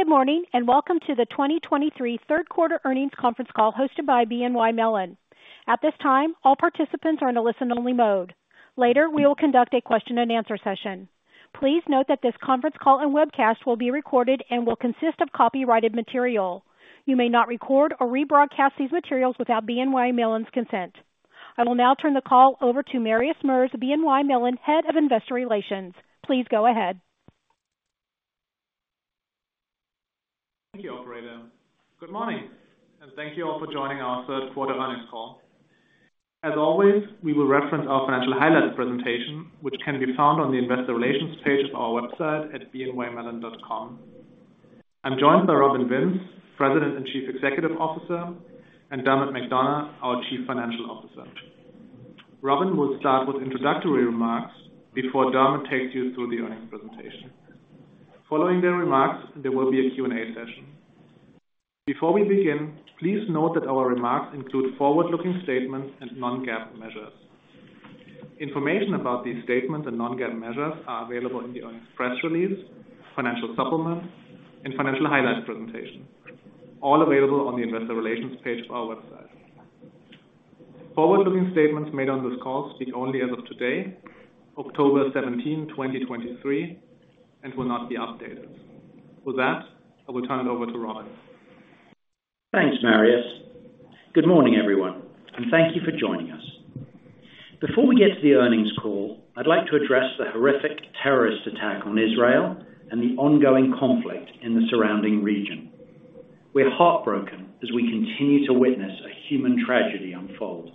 Good morning, and welcome to the 2023 Third Quarter Earnings Conference Call hosted by BNY Mellon. At this time, all participants are in a listen-only mode. Later, we will conduct a question and answer session. Please note that this conference call and webcast will be recorded and will consist of copyrighted material. You may not record or rebroadcast these materials without BNY Mellon's consent. I will now turn the call over to Marius Merz, BNY Mellon, Head of Investor Relations. Please go ahead. Thank you, operator. Good morning, and thank you all for joining our Third Quarter Earnings Call. As always, we will reference our financial highlights presentation, which can be found on the Investor Relations page of our website at bnymellon.com. I'm joined by Robin Vince, President and Chief Executive Officer, and Dermot McDonogh, our Chief Financial Officer. Robin will start with introductory remarks before Dermot takes you through the earnings presentation. Following their remarks, there will be a Q&A session. Before we begin, please note that our remarks include forward-looking statements and non-GAAP measures. Information about these statements and non-GAAP measures are available in the earnings press release, financial supplement, and financial highlights presentation, all available on the Investor Relations page of our website. Forward-looking statements made on this call speak only as of today, October 17, 2023, and will not be updated. With that, I will turn it over to Robin. Thanks, Marius. Good morning, everyone, and thank you for joining us. Before we get to the earnings call, I'd like to address the horrific terrorist attack on Israel and the ongoing conflict in the surrounding region. We're heartbroken as we continue to witness a human tragedy unfold,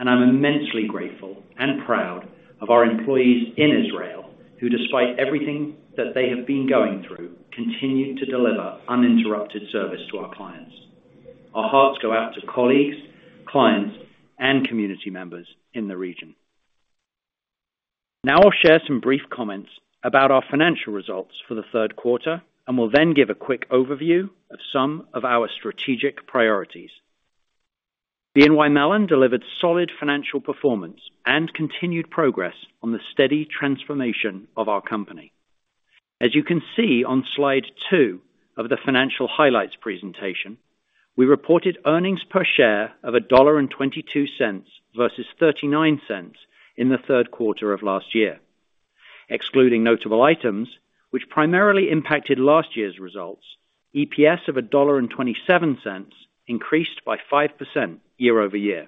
and I'm immensely grateful and proud of our employees in Israel, who, despite everything that they have been going through, continue to deliver uninterrupted service to our clients. Our hearts go out to colleagues, clients, and community members in the region. Now I'll share some brief comments about our financial results for the third quarter, and will then give a quick overview of some of our strategic priorities. BNY Mellon delivered solid financial performance and continued progress on the steady transformation of our company. As you can see on slide two of the financial highlights presentation, we reported earnings per share of $1.22 versus $0.39 in the third quarter of last year. Excluding notable items which primarily impacted last year's results, EPS of $1.27 increased by 5% year-over-year.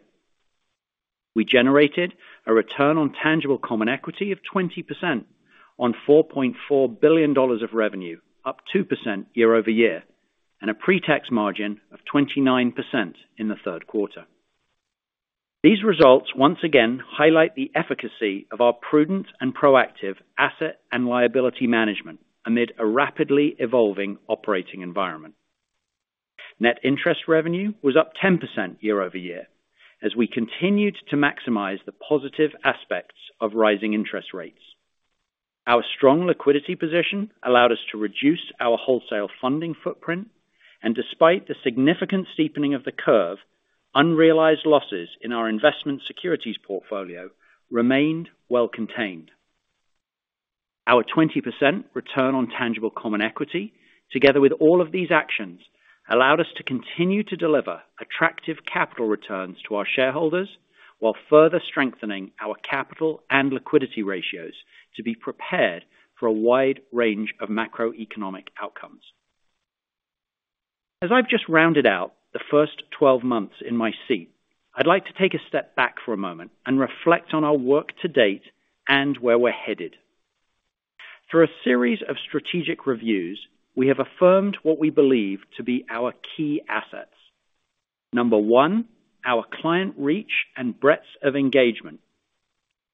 We generated a return on tangible common equity of 20% on $4.4 billion of revenue, up 2% year-over-year, and a pre-tax margin of 29% in the third quarter. These results once again highlight the efficacy of our prudent and proactive asset and liability management amid a rapidly evolving operating environment. Net interest revenue was up 10% year-over-year as we continued to maximize the positive aspects of rising interest rates. Our strong liquidity position allowed us to reduce our wholesale funding footprint, and despite the significant steepening of the curve, unrealized losses in our investment securities portfolio remained well contained. Our 20% return on tangible common equity, together with all of these actions, allowed us to continue to deliver attractive capital returns to our shareholders, while further strengthening our capital and liquidity ratios to be prepared for a wide range of macroeconomic outcomes. As I've just rounded out the first 12 months in my seat, I'd like to take a step back for a moment and reflect on our work to date and where we're headed. Through a series of strategic reviews, we have affirmed what we believe to be our key assets. Number one, our client reach and breadth of engagement.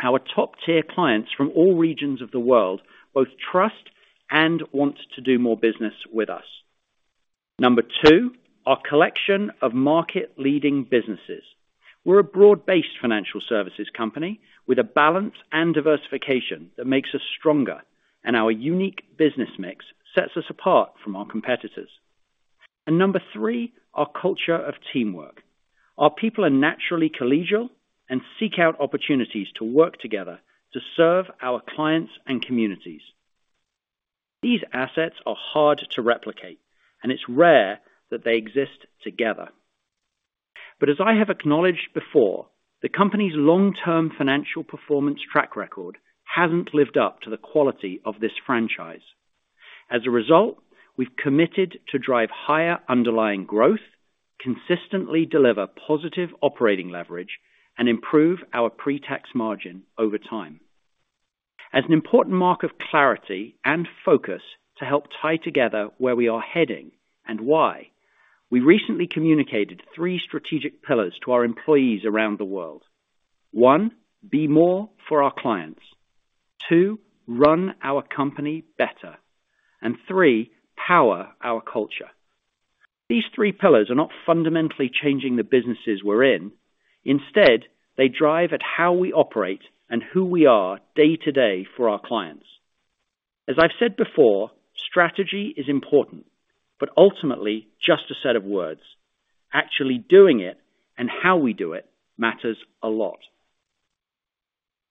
Our top-tier clients from all regions of the world both trust and want to do more business with us. Number two, our collection of market-leading businesses. We're a broad-based financial services company with a balance and diversification that makes us stronger, and our unique business mix sets us apart from our competitors. Number three, our culture of teamwork. Our people are naturally collegial and seek out opportunities to work together to serve our clients and communities. These assets are hard to replicate, and it's rare that they exist together. But as I have acknowledged before, the company's long-term financial performance track record hasn't lived up to the quality of this franchise. As a result, we've committed to drive higher underlying growth, consistently deliver positive operating leverage, and improve our pre-tax margin over time. As an important mark of clarity and focus to help tie together where we are heading and why, we recently communicated three strategic pillars to our employees around the world. One, be more for our clients. Two, run our company better. And three, power our culture. These three pillars are not fundamentally changing the businesses we're in. Instead, they drive at how we operate and who we are day to day for our clients. As I've said before, strategy is important, but ultimately just a set of words. Actually doing it and how we do it matters a lot.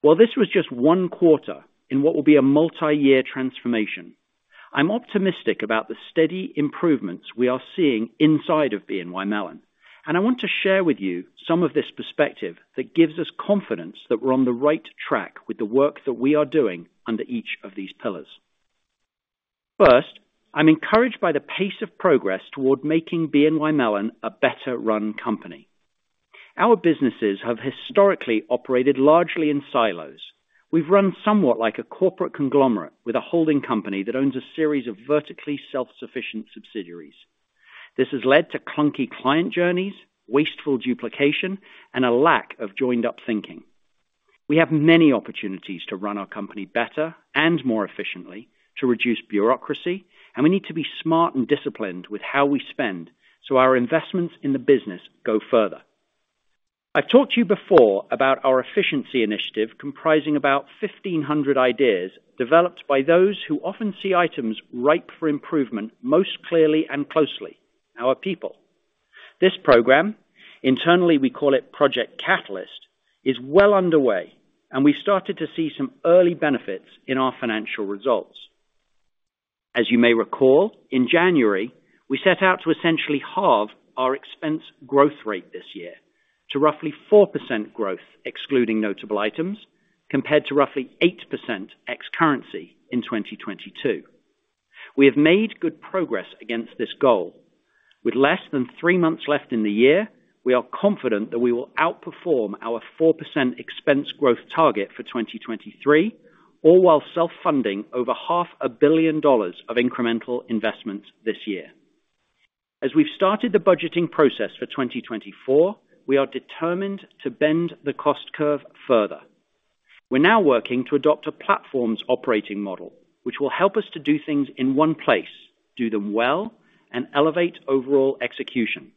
While this was just one quarter in what will be a multi-year transformation, I'm optimistic about the steady improvements we are seeing inside of BNY Mellon. I want to share with you some of this perspective that gives us confidence that we're on the right track with the work that we are doing under each of these pillars. First, I'm encouraged by the pace of progress toward making BNY Mellon a better-run company. Our businesses have historically operated largely in silos. We've run somewhat like a corporate conglomerate with a holding company that owns a series of vertically self-sufficient subsidiaries. This has led to clunky client journeys, wasteful duplication, and a lack of joined-up thinking. We have many opportunities to run our company better and more efficiently, to reduce bureaucracy, and we need to be smart and disciplined with how we spend, so our investments in the business go further. I've talked to you before about our efficiency initiative, comprising about 1,500 ideas developed by those who often see items ripe for improvement, most clearly and closely, our people. This program, internally, we call it Project Catalyst, is well underway, and we started to see some early benefits in our financial results. As you may recall, in January, we set out to essentially halve our expense growth rate this year to roughly 4% growth, excluding notable items, compared to roughly 8% ex-currency in 2022. We have made good progress against this goal. With less than three months left in the year, we are confident that we will outperform our 4% expense growth target for 2023, all while self-funding over $500 million of incremental investments this year. As we've started the budgeting process for 2024, we are determined to bend the cost curve further. We're now working to adopt a platforms operating model, which will help us to do things in one place, do them well, and elevate overall execution.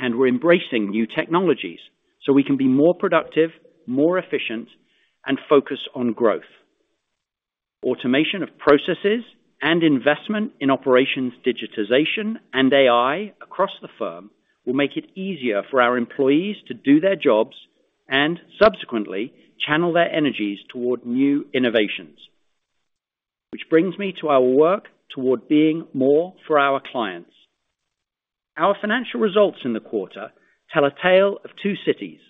We're embracing new technologies so we can be more productive, more efficient, and focused on growth. Automation of processes and investment in operations, digitization, and AI across the firm will make it easier for our employees to do their jobs and subsequently channel their energies toward new innovations. Which brings me to our work toward being more for our clients. Our financial results in the quarter tell a tale of two cities.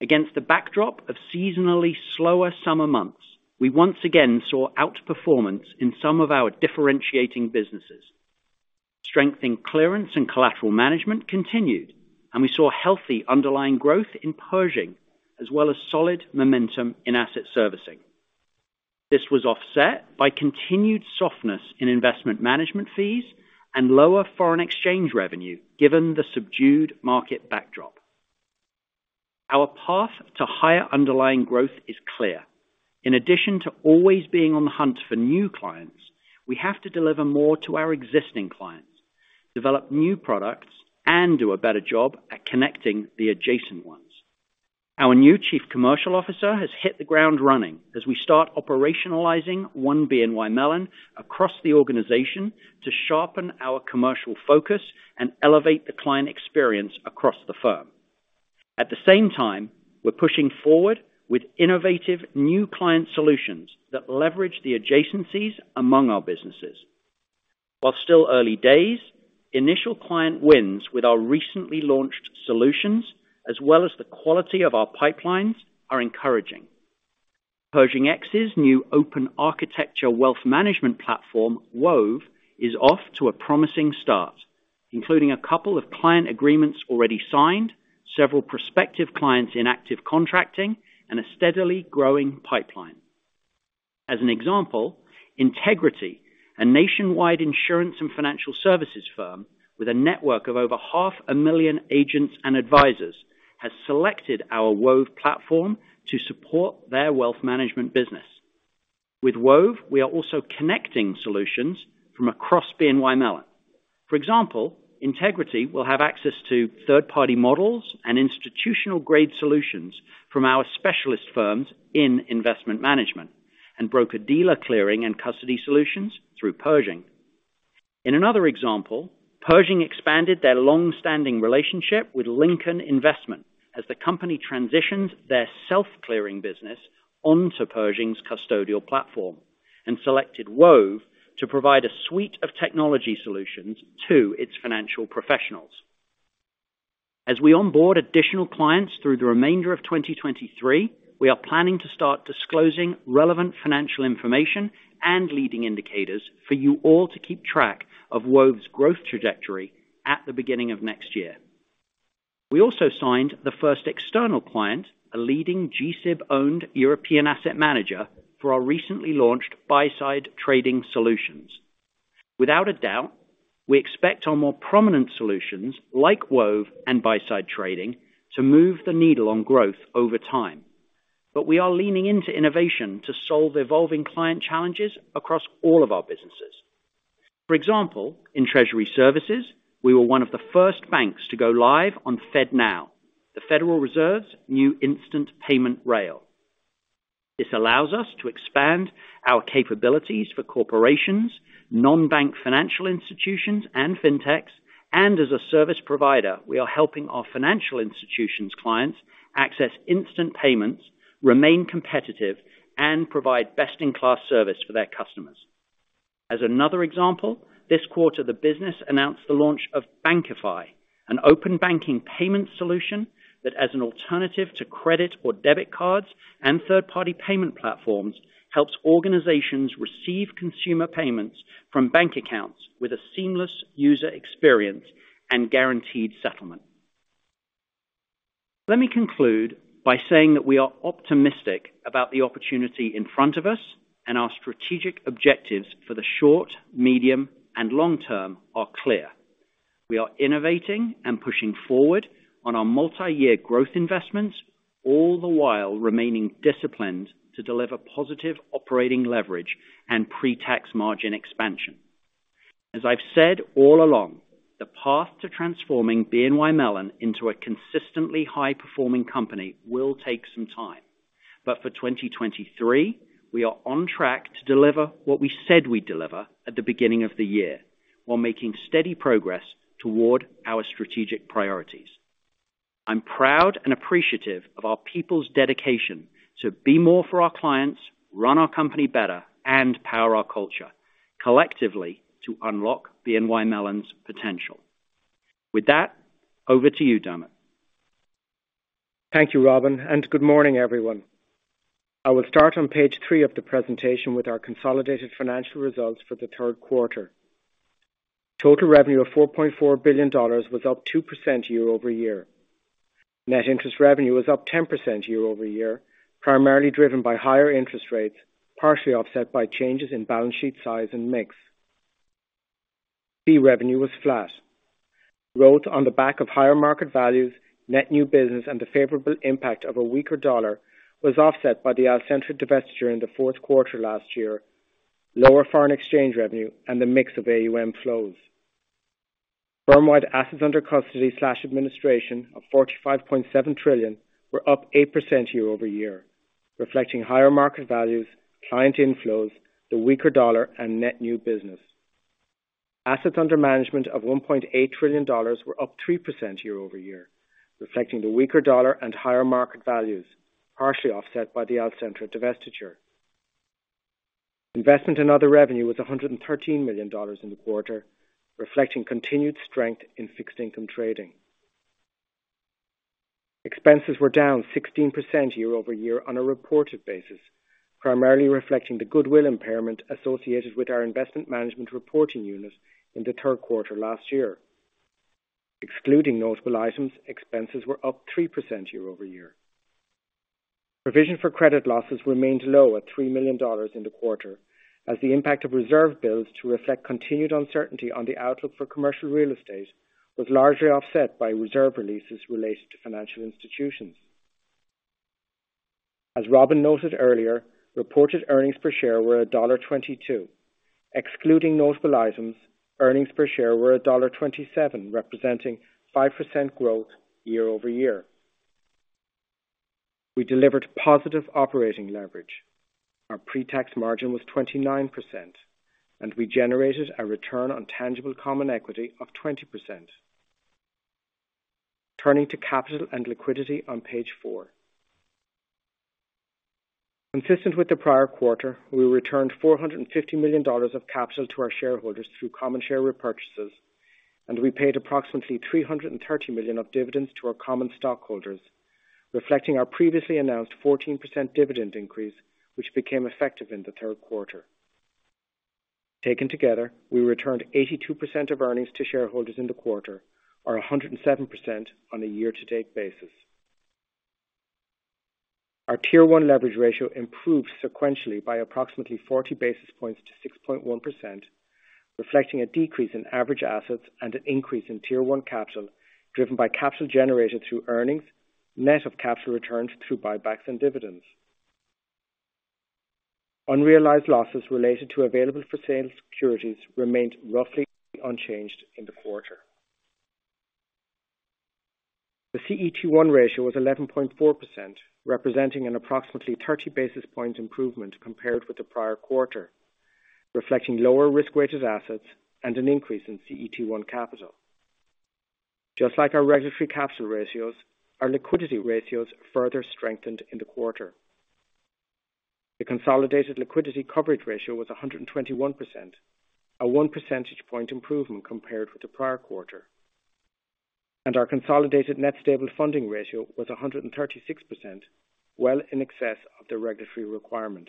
Against the backdrop of seasonally slower summer months, we once again saw outperformance in some of our differentiating businesses. Strength in clearance and collateral management continued, and we saw healthy underlying growth in Pershing, as well as solid momentum in asset servicing. This was offset by continued softness in investment management fees and lower foreign exchange revenue, given the subdued market backdrop. Our path to higher underlying growth is clear. In addition to always being on the hunt for new clients, we have to deliver more to our existing clients, develop new products, and do a better job at connecting the adjacent ones. Our new Chief Commercial Officer has hit the ground running as we start operationalizing one BNY Mellon across the organization to sharpen our commercial focus and elevate the client experience across the firm. At the same time, we're pushing forward with innovative new client solutions that leverage the adjacencies among our businesses. While still early days, initial client wins with our recently launched solutions, as well as the quality of our pipelines, are encouraging. Pershing X's new open architecture wealth management platform, Wove, is off to a promising start, including a couple of client agreements already signed, several prospective clients in active contracting, and a steadily growing pipeline. As an example, Integrity, a nationwide insurance and financial services firm with a network of over half a million agents and advisors, has selected our Wove platform to support their wealth management business. With Wove, we are also connecting solutions from across BNY Mellon. For example, Integrity will have access to third-party models and institutional-grade solutions from our specialist firms in investment management, and broker-dealer clearing and custody solutions through Pershing. In another example, Pershing expanded their long-standing relationship with Lincoln Investment as the company transitioned their self-clearing business onto Pershing's custodial platform and selected Wove to provide a suite of technology solutions to its financial professionals. As we onboard additional clients through the remainder of 2023, we are planning to start disclosing relevant financial information and leading indicators for you all to keep track of Wove's growth trajectory at the beginning of next year. We also signed the first external client, a leading G-SIB-owned European asset manager, for our recently launched buy-side trading solutions. Without a doubt, we expect our more prominent solutions, like Wove and buy-side trading, to move the needle on growth over time. But we are leaning into innovation to solve evolving client challenges across all of our businesses. For example, in treasury services, we were one of the first banks to go live on FedNow, the Federal Reserve's new instant payment rail. This allows us to expand our capabilities for corporations, non-bank financial institutions, and fintechs, and as a service provider, we are helping our financial institutions clients access instant payments, remain competitive, and provide best-in-class service for their customers. As another example, this quarter, the business announced the launch of Bankify, an open banking payment solution that, as an alternative to credit or debit cards and third-party payment platforms, helps organizations receive consumer payments from bank accounts with a seamless user experience and guaranteed settlement. Let me conclude by saying that we are optimistic about the opportunity in front of us, and our strategic objectives for the short, medium, and long term are clear. We are innovating and pushing forward on our multi-year growth investments, all the while remaining disciplined to deliver positive operating leverage and pre-tax margin expansion. As I've said all along, the path to transforming BNY Mellon into a consistently high-performing company will take some time. But for 2023, we are on track to deliver what we said we'd deliver at the beginning of the year, while making steady progress toward our strategic priorities. I'm proud and appreciative of our people's dedication to be more for our clients, run our company better, and power our culture, collectively to unlock BNY Mellon's potential. With that, over to you, Dermot. Thank you, Robin, and good morning, everyone. I will start on page three of the presentation with our consolidated financial results for the third quarter. Total revenue of $4.4 billion was up 2% year-over-year. Net interest revenue was up 10% year-over-year, primarily driven by higher interest rates, partially offset by changes in balance sheet size and mix. Fee revenue was flat. Growth on the back of higher market values, net new business, and the favorable impact of a weaker dollar was offset by the Alcentra divestiture in the fourth quarter last year, lower foreign exchange revenue, and the mix of AUM flows. Firm-wide assets under custody/administration of $45.7 trillion were up 8% year-over-year, reflecting higher market values, client inflows, the weaker dollar, and net new business. Assets under management of $1.8 trillion were up 3% year-over-year, reflecting the weaker dollar and higher market values, partially offset by the Alcentra divestiture. Investment and other revenue was $113 million in the quarter, reflecting continued strength in fixed income trading. Expenses were down 16% year-over-year on a reported basis, primarily reflecting the goodwill impairment associated with our investment management reporting unit in the third quarter last year. Excluding notable items, expenses were up 3% year-over-year. Provision for credit losses remained low at $3 million in the quarter, as the impact of reserve builds to reflect continued uncertainty on the outlook for commercial real estate was largely offset by reserve releases related to financial institutions. As Robin noted earlier, reported earnings per share were $1.22. Excluding notable items, earnings per share were $1.27, representing 5% growth year-over-year. We delivered positive operating leverage. Our pre-tax margin was 29%, and we generated a return on tangible common equity of 20%. Turning to capital and liquidity on page four. Consistent with the prior quarter, we returned $450 million of capital to our shareholders through common share repurchases, and we paid approximately $330 million of dividends to our common stockholders, reflecting our previously announced 14% dividend increase, which became effective in the third quarter. Taken together, we returned 82% of earnings to shareholders in the quarter, or 107% on a year-to-date basis. Our tier 1 leverage ratio improved sequentially by approximately 40 basis points to 6.1%, reflecting a decrease in average assets and an increase in tier 1 capital, driven by capital generated through earnings, net of capital returns through buybacks and dividends. Unrealized losses related to available-for-sale securities remained roughly unchanged in the quarter. The CET1 ratio was 11.4%, representing an approximately 30 basis point improvement compared with the prior quarter, reflecting lower risk-weighted assets and an increase in CET1 capital. Just like our regulatory capital ratios, our liquidity ratios further strengthened in the quarter. The consolidated liquidity coverage ratio was 121%, a 1 percentage point improvement compared with the prior quarter. And our consolidated net stable funding ratio was 136%, well in excess of the regulatory requirement.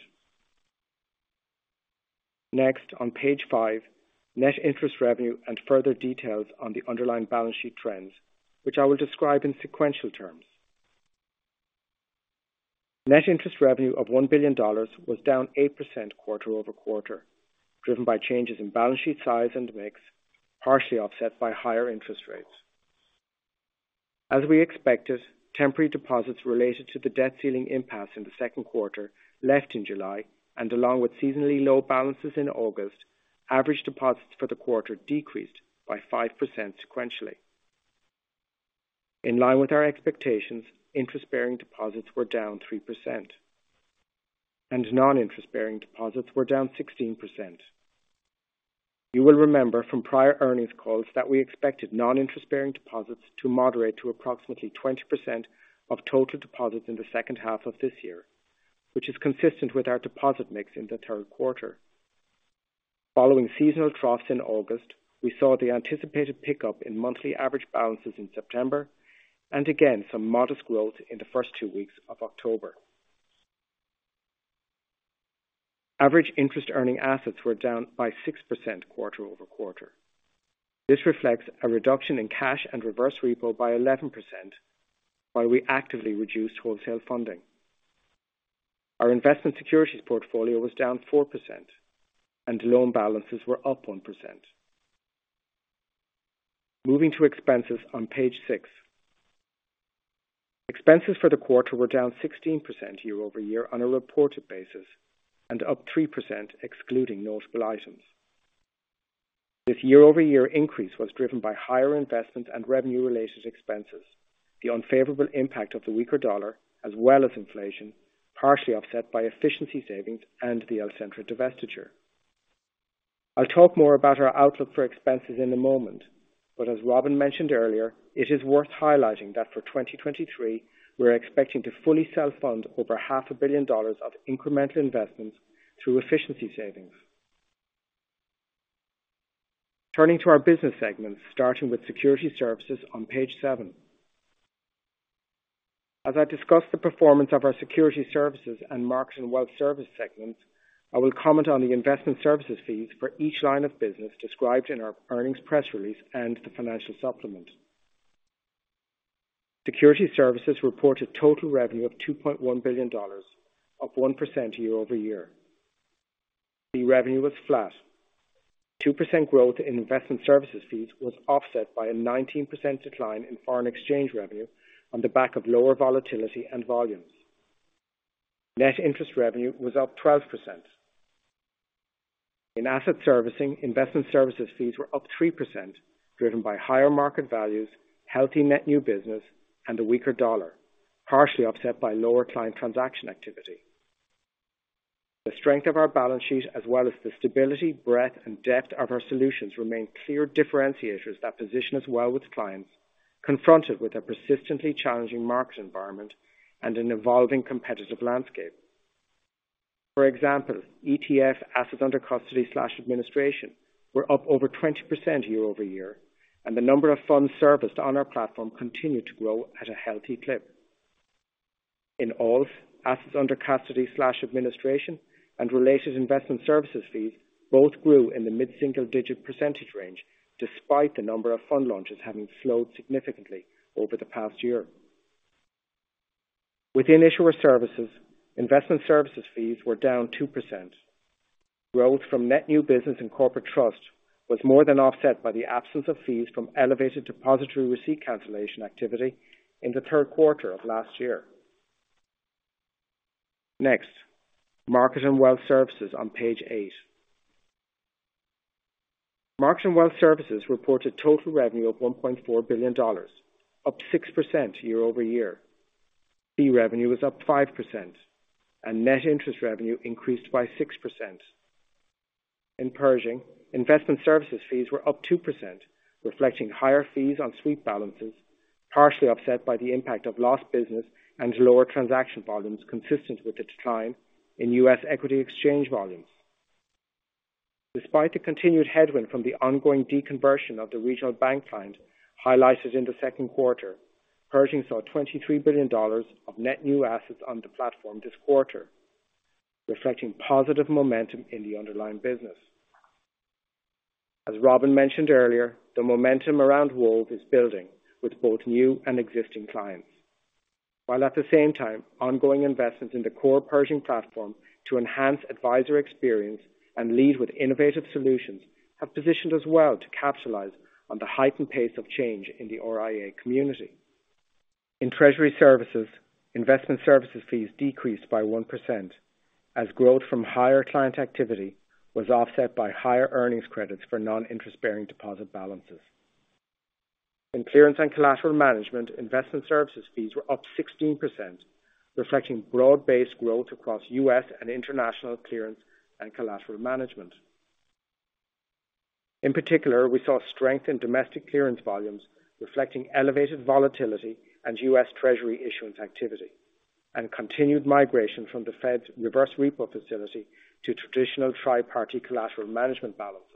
Next, on page five, net interest revenue and further details on the underlying balance sheet trends, which I will describe in sequential terms. Net interest revenue of $1 billion was down 8% quarter-over-quarter, driven by changes in balance sheet size and mix, partially offset by higher interest rates. As we expected, temporary deposits related to the debt ceiling impasse in the second quarter left in July, and along with seasonally low balances in August, average deposits for the quarter decreased by 5% sequentially. In line with our expectations, interest-bearing deposits were down 3%, and non-interest-bearing deposits were down 16%. You will remember from prior earnings calls that we expected non-interest-bearing deposits to moderate to approximately 20% of total deposits in the second half of this year, which is consistent with our deposit mix in the third quarter. Following seasonal troughs in August, we saw the anticipated pickup in monthly average balances in September, and again, some modest growth in the first two weeks of October. Average interest earning assets were down by 6% quarter-over-quarter. This reflects a reduction in cash and reverse repo by 11%, while we actively reduced wholesale funding. Our investment securities portfolio was down 4%, and loan balances were up 1%. Moving to expenses on page six. Expenses for the quarter were down 16% year-over-year on a reported basis, and up 3% excluding notable items. This year-over-year increase was driven by higher investment and revenue-related expenses, the unfavorable impact of the weaker US dollar, as well as inflation, partially offset by efficiency savings and the Alcentra divestiture. I'll talk more about our outlook for expenses in a moment, but as Robin mentioned earlier, it is worth highlighting that for 2023, we're expecting to fully self-fund over $500 million of incremental investments through efficiency savings. Turning to our business segments, starting with security services on page seven. As I discuss the performance of our security services and markets and wealth services segments, I will comment on the investment services fees for each line of business described in our earnings press release and the financial supplement. Security services reported total revenue of $2.1 billion, up 1% year-over-year. The revenue was flat. 2% growth in investment services fees was offset by a 19% decline in foreign exchange revenue on the back of lower volatility and volumes. Net interest revenue was up 12%. In asset servicing, investment services fees were up 3%, driven by higher market values, healthy net new business, and a weaker dollar, partially offset by lower client transaction activity. The strength of our balance sheet, as well as the stability, breadth, and depth of our solutions, remain clear differentiators that position us well with clients confronted with a persistently challenging market environment and an evolving competitive landscape. For example, ETF assets under custody/administration were up over 20% year-over-year, and the number of funds serviced on our platform continued to grow at a healthy clip. In all, assets under custody/administration and related investment services fees both grew in the mid-single digit percentage range, despite the number of fund launches having slowed significantly over the past year. Within issuer services, investment services fees were down 2%. Growth from net new business and corporate trust was more than offset by the absence of fees from elevated depository receipt cancellation activity in the third quarter of last year. Next, market and wealth Services on page eight. Market and wealth Services reported total revenue of $1.4 billion, up 6% year-over-year. Fee revenue was up 5%, and net interest revenue increased by 6%. In Pershing, investment services fees were up 2%, reflecting higher fees on sweep balances, partially offset by the impact of lost business and lower transaction volumes, consistent with the decline in U.S. equity exchange volumes. Despite the continued headwind from the ongoing deconversion of the regional bank client highlighted in the second quarter, Pershing saw $23 billion of net new assets on the platform this quarter, reflecting positive momentum in the underlying business. As Robin mentioned earlier, the momentum around Wove is building with both new and existing clients, while at the same time, ongoing investments in the core Pershing platform to enhance advisor experience and lead with innovative solutions have positioned us well to capitalize on the heightened pace of change in the RIA community. In treasury services, investment services fees decreased by 1%, as growth from higher client activity was offset by higher earnings credits for non-interest-bearing deposit balances. In clearance and collateral management, investment services fees were up 16%, reflecting broad-based growth across U.S. and international clearance and collateral management. In particular, we saw strength in domestic clearance volumes, reflecting elevated volatility and U.S. Treasury issuance activity, and continued migration from the Fed's reverse repo facility to traditional tri-party collateral management balances.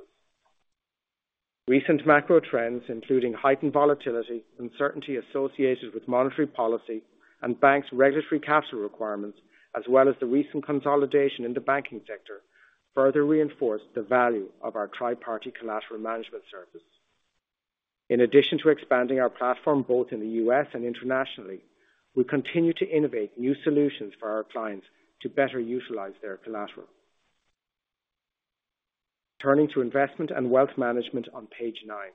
Recent macro trends, including heightened volatility, uncertainty associated with monetary policy and banks' regulatory capital requirements, as well as the recent consolidation in the banking sector, further reinforce the value of our Tri-Party Collateral Management service. In addition to expanding our platform both in the U.S. and internationally, we continue to innovate new solutions for our clients to better utilize their collateral. Turning to investment and wealth management on page nine.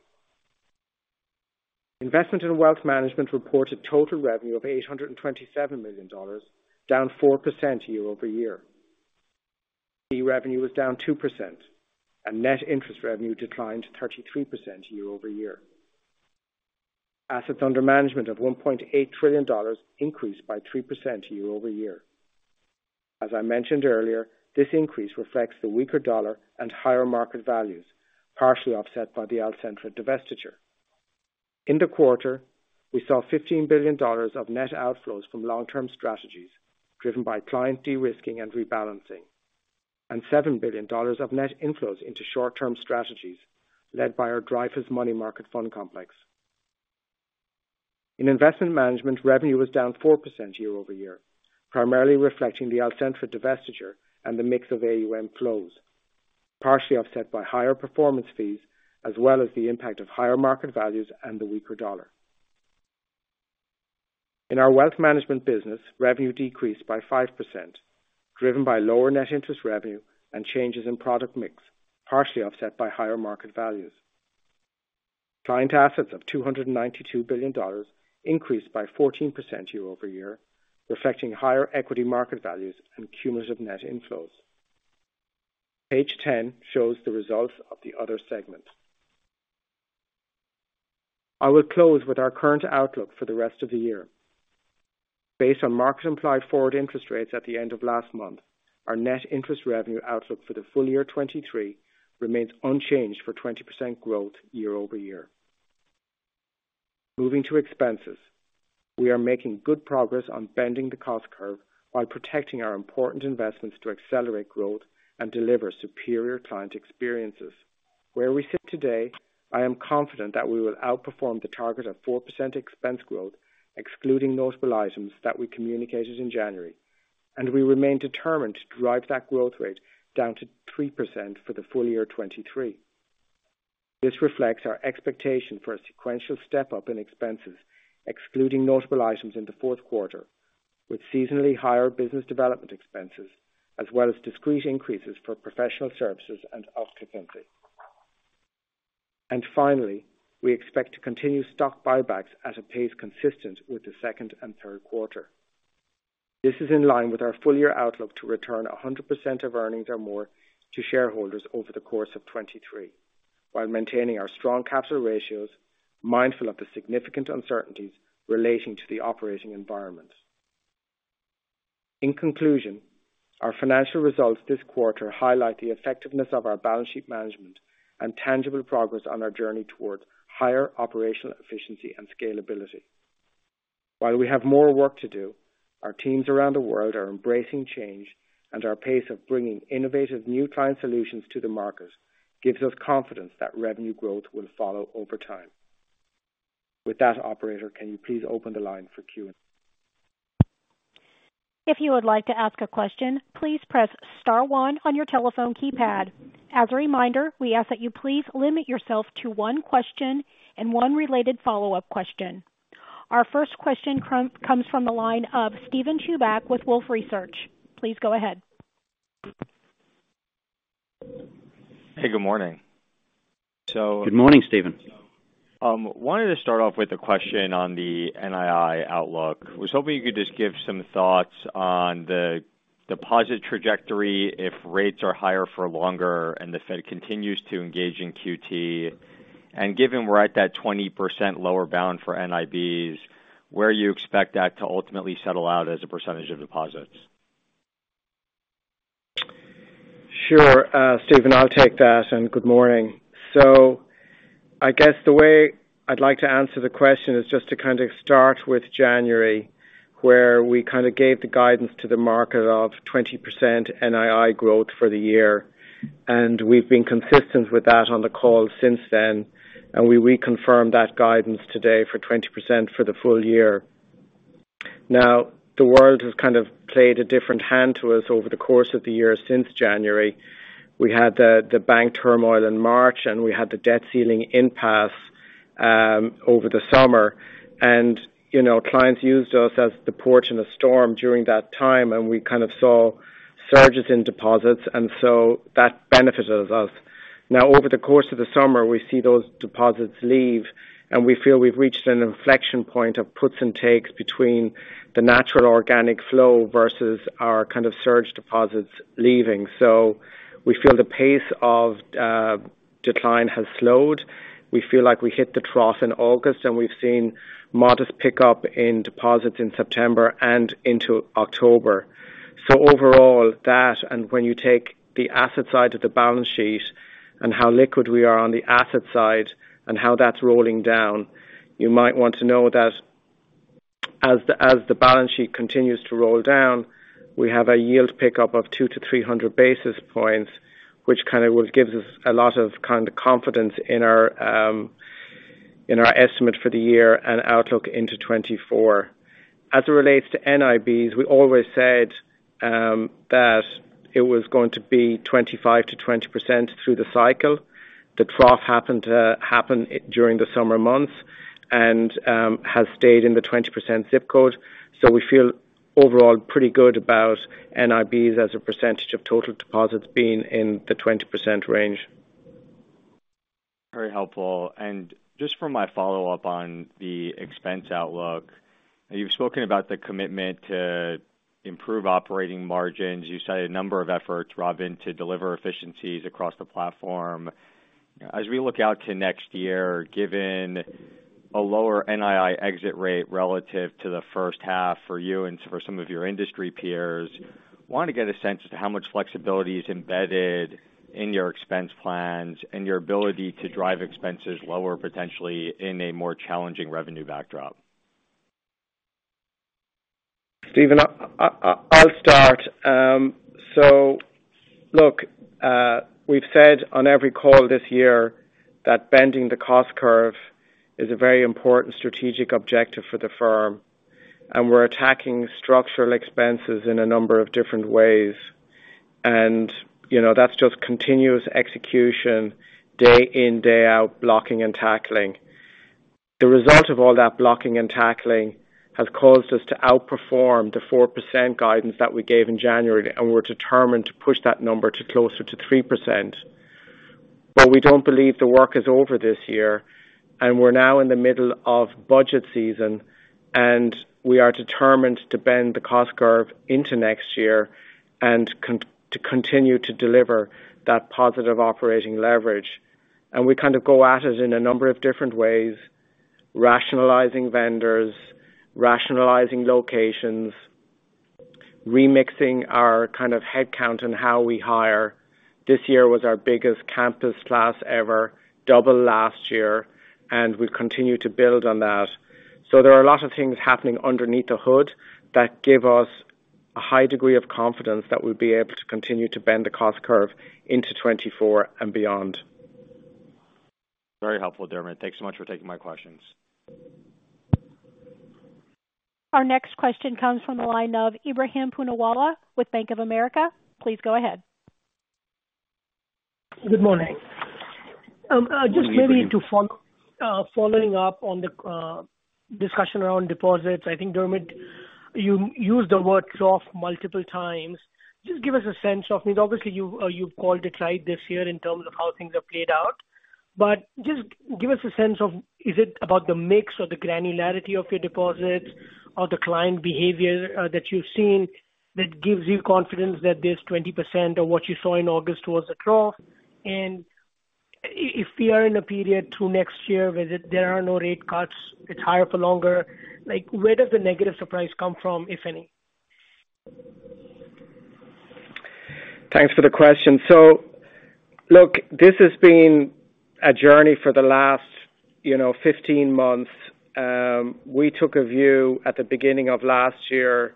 Investment and wealth management reported total revenue of $827 million, down 4% year-over-year. Fee revenue was down 2%, and net interest revenue declined 33% year-over-year. Assets under management of $1.8 trillion increased by 3% year-over-year. As I mentioned earlier, this increase reflects the weaker dollar and higher market values, partially offset by the Alcentra divestiture. In the quarter, we saw $15 billion of net outflows from long-term strategies, driven by client de-risking and rebalancing, and $7 billion of net inflows into short-term strategies, led by our Dreyfus Money Market Fund Complex. In investment management, revenue was down 4% year-over-year, primarily reflecting the Alcentra divestiture and the mix of AUM flows, partially offset by higher performance fees, as well as the impact of higher market values and the weaker dollar. In our wealth management business, revenue decreased by 5%, driven by lower net interest revenue and changes in product mix, partially offset by higher market values. Client assets of $292 billion increased by 14% year-over-year, reflecting higher equity market values and cumulative net inflows. Page ten shows the results of the other segment. I will close with our current outlook for the rest of the year. Based on market implied forward interest rates at the end of last month, our net interest revenue outlook for the full year 2023 remains unchanged for 20% growth year-over-year. Moving to expenses, we are making good progress on bending the cost curve while protecting our important investments to accelerate growth and deliver superior client experiences. Where we sit today, I am confident that we will outperform the target of 4% expense growth, excluding notable items that we communicated in January, and we remain determined to drive that growth rate down to 3% for the full year 2023. This reflects our expectation for a sequential step-up in expenses, excluding notable items in the fourth quarter, with seasonally higher business development expenses, as well as discrete increases for professional services and our efficiency. Finally, we expect to continue stock buybacks at a pace consistent with the second and third quarter. This is in line with our full-year outlook to return 100% of earnings or more to shareholders over the course of 2023, while maintaining our strong capital ratios, mindful of the significant uncertainties relating to the operating environment. In conclusion, our financial results this quarter highlight the effectiveness of our balance sheet management and tangible progress on our journey towards higher operational efficiency and scalability. While we have more work to do, our teams around the world are embracing change, and our pace of bringing innovative new client solutions to the market gives us confidence that revenue growth will follow over time. With that, operator, can you please open the line for Q&A? If you would like to ask a question, please press star one on your telephone keypad. As a reminder, we ask that you please limit yourself to one question and one related follow-up question. Our first question comes from the line of Steven Chubak with Wolfe Research. Please go ahead. Hey, good morning. Good morning, Steven. Wanted to start off with a question on the NII outlook. Was hoping you could just give some thoughts on the deposit trajectory if rates are higher for longer and the Fed continues to engage in QT. And given we're at that 20% lower bound for NIBs, where you expect that to ultimately settle out as a percentage of deposits? Sure, Steven, I'll take that, and good morning. So I guess the way I'd like to answer the question is just to kind of start with January, where we kind of gave the guidance to the market of 20% NII growth for the year, and we've been consistent with that on the call since then, and we reconfirm that guidance today for 20% for the full year. Now, the world has kind of played a different hand to us over the course of the year since January. We had the bank turmoil in March, and we had the debt ceiling impasse over the summer. And, you know, clients used us as the port in a storm during that time, and we kind of saw surges in deposits, and so that benefited us. Now, over the course of the summer, we see those deposits leave, and we feel we've reached an inflection point of puts and takes between the natural organic flow versus our kind of surge deposits leaving. So we feel the pace of decline has slowed. We feel like we hit the trough in August, and we've seen modest pickup in deposits in September and into October. So overall, that, and when you take the asset side of the balance sheet and how liquid we are on the asset side and how that's rolling down, you might want to know that as the balance sheet continues to roll down, we have a yield pickup of 200-300 basis points, which kind of gives us a lot of kind of confidence in our estimate for the year and outlook into 2024. As it relates to NIBs, we always said that it was going to be 25%-20% through the cycle. The trough happened to happen during the summer months and has stayed in the 20% zip code. So we feel overall pretty good about NIBs as a percentage of total deposits being in the 20% range. Very helpful. Just for my follow-up on the expense outlook, you've spoken about the commitment to improve operating margins. You cited a number of efforts, Robin, to deliver efficiencies across the platform. As we look out to next year, given a lower NII exit rate relative to the first half for you and for some of your industry peers, want to get a sense of how much flexibility is embedded in your expense plans and your ability to drive expenses lower, potentially in a more challenging revenue backdrop. Steven, I'll start. So look, we've said on every call this year that bending the cost curve is a very important strategic objective for the firm, and we're attacking structural expenses in a number of different ways. And, you know, that's just continuous execution, day in, day out, blocking and tackling. The result of all that blocking and tackling has caused us to outperform the 4% guidance that we gave in January, and we're determined to push that number to closer to 3%. But we don't believe the work is over this year, and we're now in the middle of budget season, and we are determined to bend the cost curve into next year and to continue to deliver that positive operating leverage. And we kind of go at it in a number of different ways: rationalizing vendors, rationalizing locations, remixing our kind of headcount and how we hire. This year was our biggest campus class ever, double last year, and we've continued to build on that. So there are a lot of things happening underneath the hood that give us a high degree of confidence that we'll be able to continue to bend the cost curve into 2024 and beyond. Very helpful, Dermot. Thanks so much for taking my questions. Our next question comes from the line of Ebrahim Poonawala with Bank of America. Please go ahead. Good morning. Just maybe to follow up on the discussion around deposits. I think, Dermot, you used the word trough multiple times. Just give us a sense of... I mean, obviously, you've called it right this year in terms of how things have played out. But just give us a sense of, is it about the mix or the granularity of your deposits or the client behavior that you've seen, that gives you confidence that this 20% of what you saw in August was a trough? And if we are in a period through next year, where there are no rate cuts, it's higher for longer, like, where does the negative surprise come from, if any? Thanks for the question. So look, this has been a journey for the last, you know, 15 months. We took a view at the beginning of last year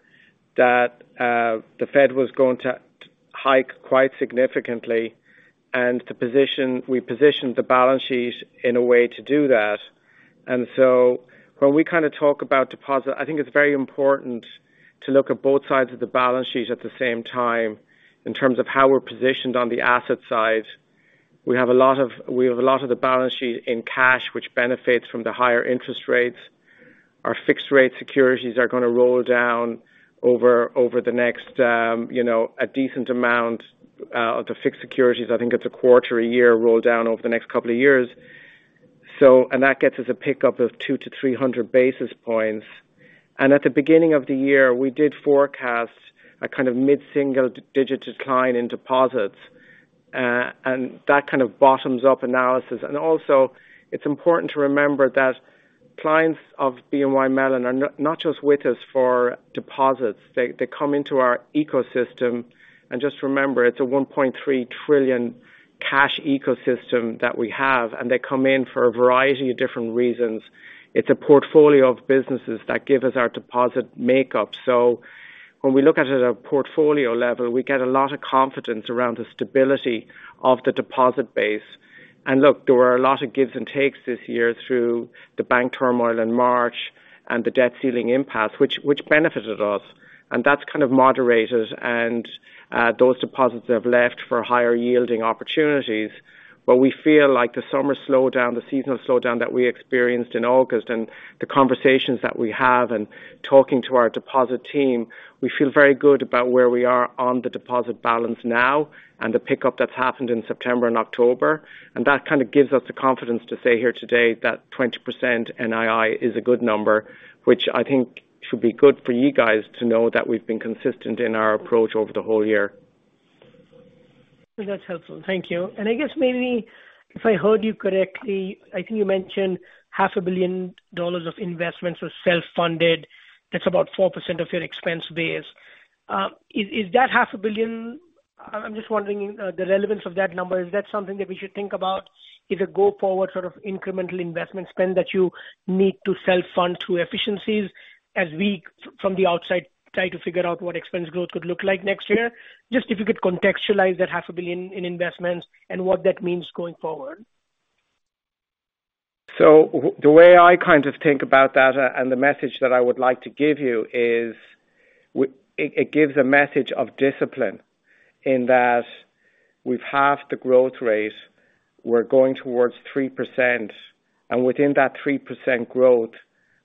that the Fed was going to hike quite significantly, and we positioned the balance sheet in a way to do that. And so when we kind of talk about deposit, I think it's very important to look at both sides of the balance sheet at the same time, in terms of how we're positioned on the asset side. We have a lot of the balance sheet in cash, which benefits from the higher interest rates. Our fixed rate securities are going to roll down over the next, you know, a decent amount, the fixed securities, I think it's a quarter a year, roll down over the next couple of years. And that gets us a pickup of 200-300 basis points. And at the beginning of the year, we did forecast a kind of mid-single-digit decline in deposits, and that kind of bottoms-up analysis. And also, it's important to remember that clients of BNY Mellon are not, not just with us for deposits. They, they come into our ecosystem, and just remember, it's a $1.3 trillion cash ecosystem that we have, and they come in for a variety of different reasons. It's a portfolio of businesses that give us our deposit makeup. So when we look at it at a portfolio level, we get a lot of confidence around the stability of the deposit base. And look, there were a lot of gives and takes this year through the bank turmoil in March and the debt ceiling impasse, which benefited us, and that's kind of moderated and, those deposits have left for higher yielding opportunities. But we feel like the summer slowdown, the seasonal slowdown that we experienced in August and the conversations that we have and talking to our deposit team, we feel very good about where we are on the deposit balance now and the pickup that's happened in September and October. And that kind of gives us the confidence to say here today that 20% NII is a good number, which I think should be good for you guys to know that we've been consistent in our approach over the whole year. That's helpful. Thank you. I guess maybe if I heard you correctly, I think you mentioned $500 million of investments were self-funded. That's about 4% of your expense base. Is, is that $500 million. I'm just wondering, the relevance of that number. Is that something that we should think about as a go-forward sort of incremental investment spend, that you need to self-fund through efficiencies as we, from the outside, try to figure out what expense growth could look like next year? Just if you could contextualize that $500 million in investments and what that means going forward. So the way I kind of think about that, and the message that I would like to give you, is it gives a message of discipline in that we've halved the growth rate. We're going towards 3%, and within that 3% growth,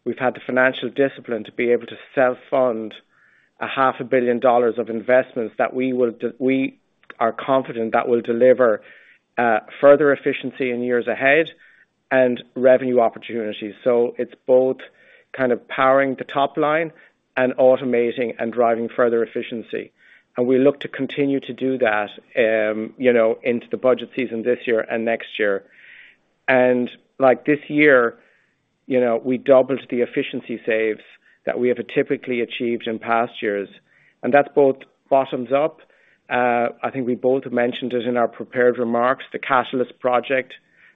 we've had the financial discipline to be able to self-fund $500 million of investments that we are confident will deliver further efficiency in years ahead and revenue opportunities. So it's both kind of powering the top line and automating and driving further efficiency. And we look to continue to do that, you know, into the budget season this year and next year. And like this year, you know, we doubled the efficiency saves that we have typically achieved in past years, and that's both bottoms up. I think we both mentioned it in our prepared remarks, Project Catalyst,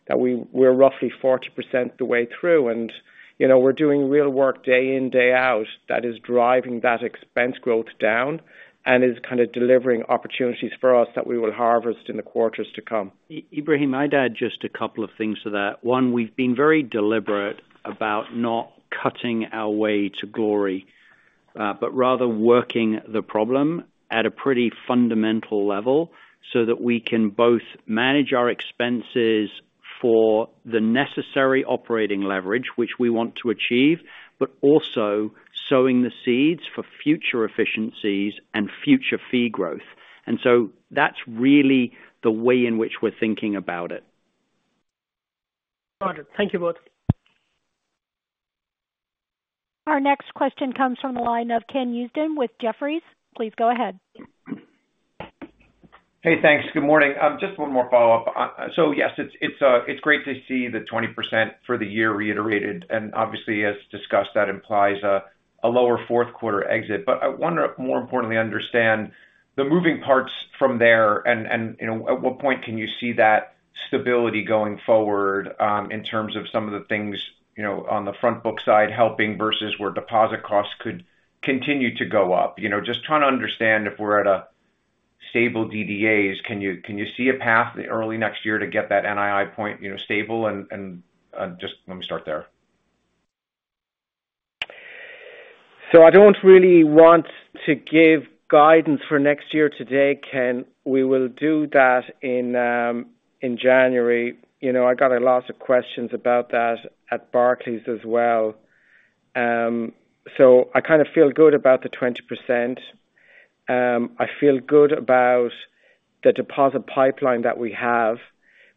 that we're roughly 40% the way through. And, you know, we're doing real work day in, day out, that is driving that expense growth down and is kind of delivering opportunities for us that we will harvest in the quarters to come. Ibrahim, I'd add just a couple of things to that. One, we've been very deliberate about not cutting our way to glory, but rather working the problem at a pretty fundamental level so that we can both manage our expenses for the necessary operating leverage, which we want to achieve, but also sowing the seeds for future efficiencies and future fee growth. And so that's really the way in which we're thinking about it. Got it. Thank you both. Our next question comes from the line of Ken Usdin with Jefferies. Please go ahead. Hey, thanks. Good morning. Just one more follow-up. So yes, it's great to see the 20% for the year reiterated, and obviously, as discussed, that implies a lower fourth quarter exit. But I want, more importantly, to understand the moving parts from there and, you know, at what point can you see that stability going forward, in terms of some of the things, you know, on the front book side, helping versus where deposit costs could continue to go up? You know, just trying to understand if we're at a stable DDAs, can you see a path early next year to get that NII point, you know, stable and, just let me start there. So I don't really want to give guidance for next year today, Ken. We will do that in, in January. You know, I got a lot of questions about that at Barclays as well. So I kind of feel good about the 20%. I feel good about the deposit pipeline that we have.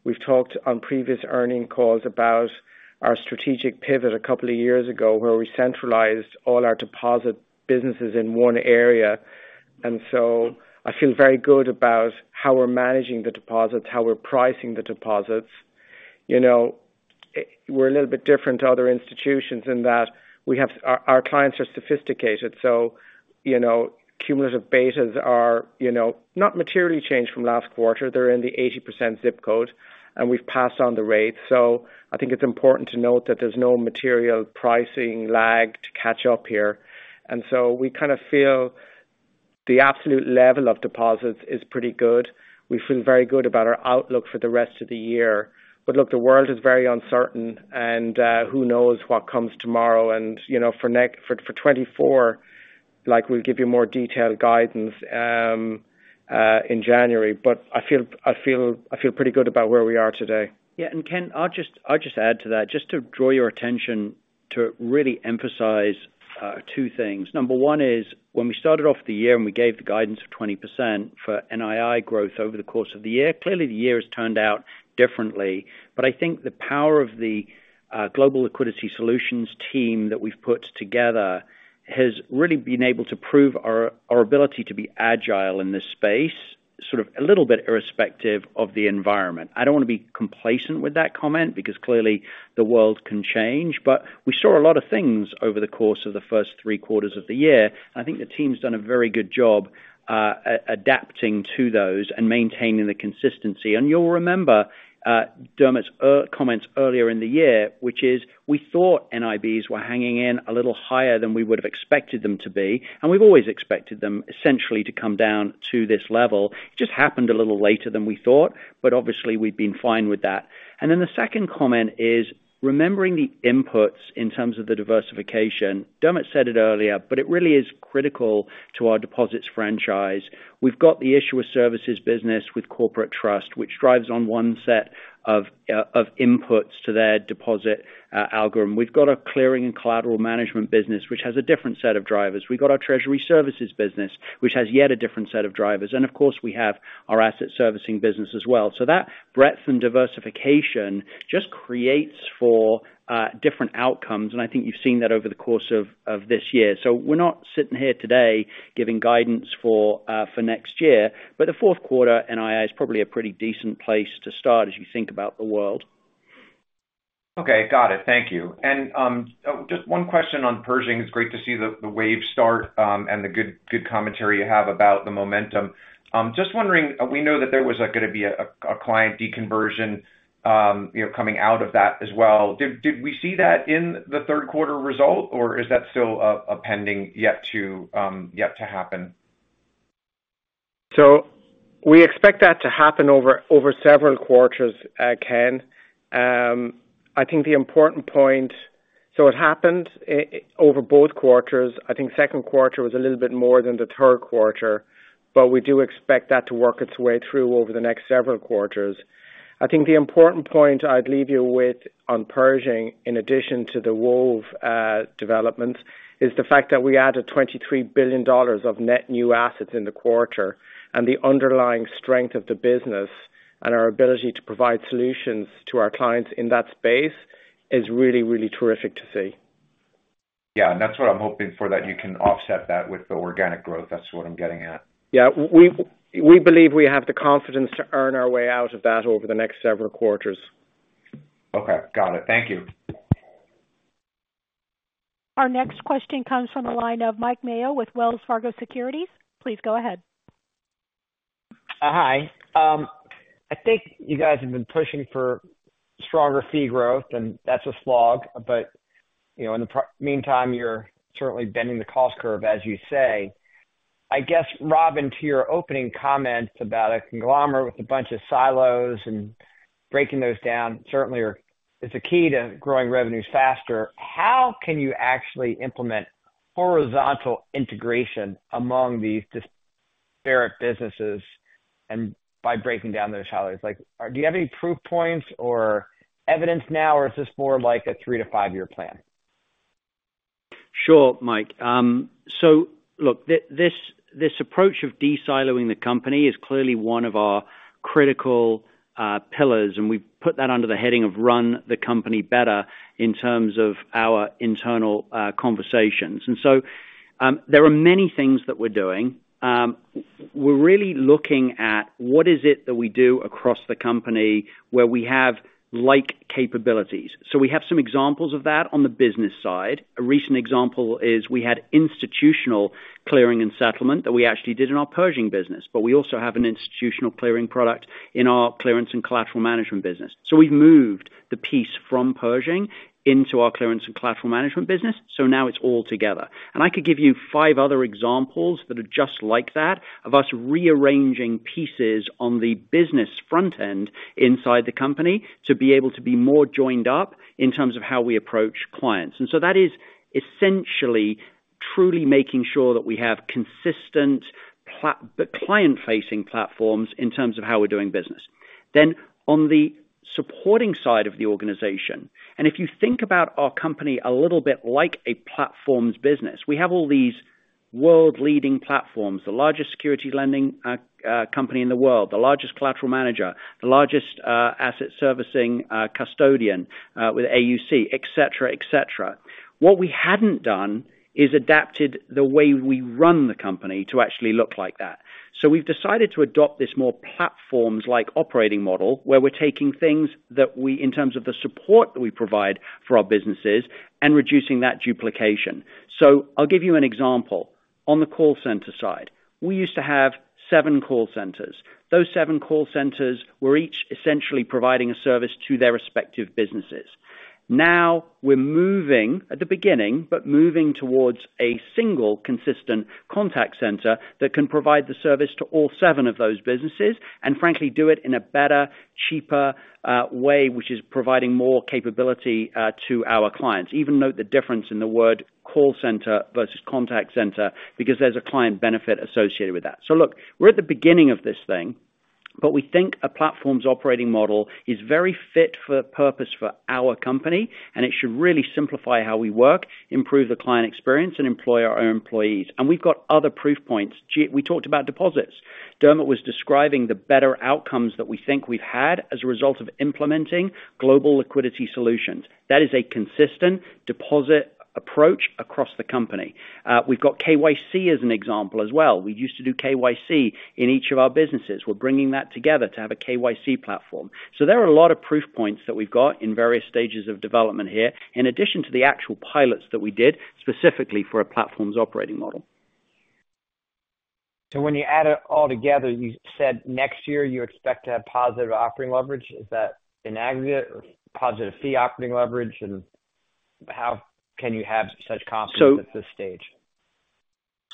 We've talked on previous earnings calls about our strategic pivot a couple of years ago, where we centralized all our deposit businesses in one area. And so I feel very good about how we're managing the deposits, how we're pricing the deposits. You know, we're a little bit different to other institutions in that we have... our, our clients are sophisticated, so, you know, cumulative betas are, you know, not materially changed from last quarter. They're in the 80% ZIP code, and we've passed on the rates. So I think it's important to note that there's no material pricing lag to catch up here. And so we kind of feel the absolute level of deposits is pretty good. We feel very good about our outlook for the rest of the year. But look, the world is very uncertain and who knows what comes tomorrow? And, you know, for 2024, like, we'll give you more detailed guidance in January, but I feel pretty good about where we are today. Yeah, and Ken, I'll just, I'll just add to that, just to draw your attention to really emphasize two things. Number one is when we started off the year and we gave the guidance of 20% for NII growth over the course of the year, clearly the year has turned out differently. But I think the power of the global liquidity solutions team that we've put together has really been able to prove our ability to be agile in this space, sort of a little bit irrespective of the environment. I don't want to be complacent with that comment because clearly the world can change, but we saw a lot of things over the course of the first three quarters of the year. I think the team's done a very good job adapting to those and maintaining the consistency. And you'll remember, Dermot's earlier comment earlier in the year, which is, we thought NIBs were hanging in a little higher than we would have expected them to be, and we've always expected them essentially to come down to this level. It just happened a little later than we thought, but obviously we've been fine with that. And then the second comment is, remembering the inputs in terms of the diversification, Dermot said it earlier, but it really is critical to our deposits franchise. We've got the issuer services business with corporate trust, which drives on one set of, of inputs to their deposit, algorithm. We've got a clearing and collateral management business, which has a different set of drivers. We've got our treasury services business, which has yet a different set of drivers. And of course, we have our asset servicing business as well. So that breadth and diversification just creates for, different outcomes, and I think you've seen that over the course of this year. So we're not sitting here today giving guidance for next year, but the fourth quarter NII is probably a pretty decent place to start as you think about the world. Okay. Got it. Thank you. And, oh, just one question on Pershing. It's great to see the Wove start, and the good commentary you have about the momentum. Just wondering, we know that there was gonna be a client deconversion, you know, coming out of that as well. Did we see that in the third quarter result, or is that still a pending yet to happen? So we expect that to happen over several quarters, Ken. I think the important point—So it happened over both quarters. I think second quarter was a little bit more than the third quarter, but we do expect that to work its way through over the next several quarters. I think the important point I'd leave you with on Pershing, in addition to the Wove development, is the fact that we added $23 billion of net new assets in the quarter, and the underlying strength of the business and our ability to provide solutions to our clients in that space is really, really terrific to see. Yeah, and that's what I'm hoping for, that you can offset that with the organic growth. That's what I'm getting at. Yeah. We believe we have the confidence to earn our way out of that over the next several quarters. Okay, got it. Thank you. Our next question comes from the line of Mike Mayo with Wells Fargo Securities. Please go ahead. Hi. I think you guys have been pushing for stronger fee growth, and that's a slog. But, you know, in the meantime, you're certainly bending the cost curve, as you say. I guess, Robin, to your opening comments about a conglomerate with a bunch of silos and breaking those down certainly is a key to growing revenues faster. How can you actually implement horizontal integration among these disparate businesses and by breaking down those silos? Like, do you have any proof points or evidence now, or is this more of like a three to five-year plan? Sure, Mike. So look, this approach of de-siloing the company is clearly one of our critical pillars, and we've put that under the heading of run the company better in terms of our internal conversations. And so, there are many things that we're doing. We're really looking at what is it that we do across the company where we have like capabilities. So we have some examples of that on the business side. A recent example is we had institutional clearing and settlement that we actually did in our Pershing business, but we also have an institutional clearing product in our clearance and collateral management business. So we've moved the piece from Pershing into our clearance and collateral management business, so now it's all together. I could give you five other examples that are just like that, of us rearranging pieces on the business front end inside the company, to be able to be more joined up in terms of how we approach clients. So that is essentially truly making sure that we have consistent the client-facing platforms in terms of how we're doing business. On the supporting side of the organization, and if you think about our company a little bit like a platforms business, we have all these world-leading platforms, the largest securities lending company in the world, the largest collateral manager, the largest asset servicing custodian with AUC, et cetera, et cetera. What we hadn't done is adapted the way we run the company to actually look like that. So we've decided to adopt this more platforms-like operating model, where we're taking things that we... in terms of the support that we provide for our businesses and reducing that duplication. So I'll give you an example. On the call center side, we used to have seven call centers. Those seven call centers were each essentially providing a service to their respective businesses. Now, we're moving, at the beginning, but moving towards a single consistent contact center that can provide the service to all seven of those businesses, and frankly, do it in a better, cheaper, way, which is providing more capability, to our clients. Even note the difference in the word call center versus contact center, because there's a client benefit associated with that. So look, we're at the beginning of this thing, but we think a platform's operating model is very fit for purpose for our company, and it should really simplify how we work, improve the client experience, and employ our own employees. And we've got other proof points. We talked about deposits. Dermot was describing the better outcomes that we think we've had as a result of implementing global liquidity solutions. That is a consistent deposit approach across the company. We've got KYC as an example as well. We used to do KYC in each of our businesses. We're bringing that together to have a KYC platform. So there are a lot of proof points that we've got in various stages of development here, in addition to the actual pilots that we did, specifically for a platforms operating model. When you add it all together, you said next year you expect to have positive operating leverage. Is that in aggregate or positive fee operating leverage? And how can you have such confidence at this stage?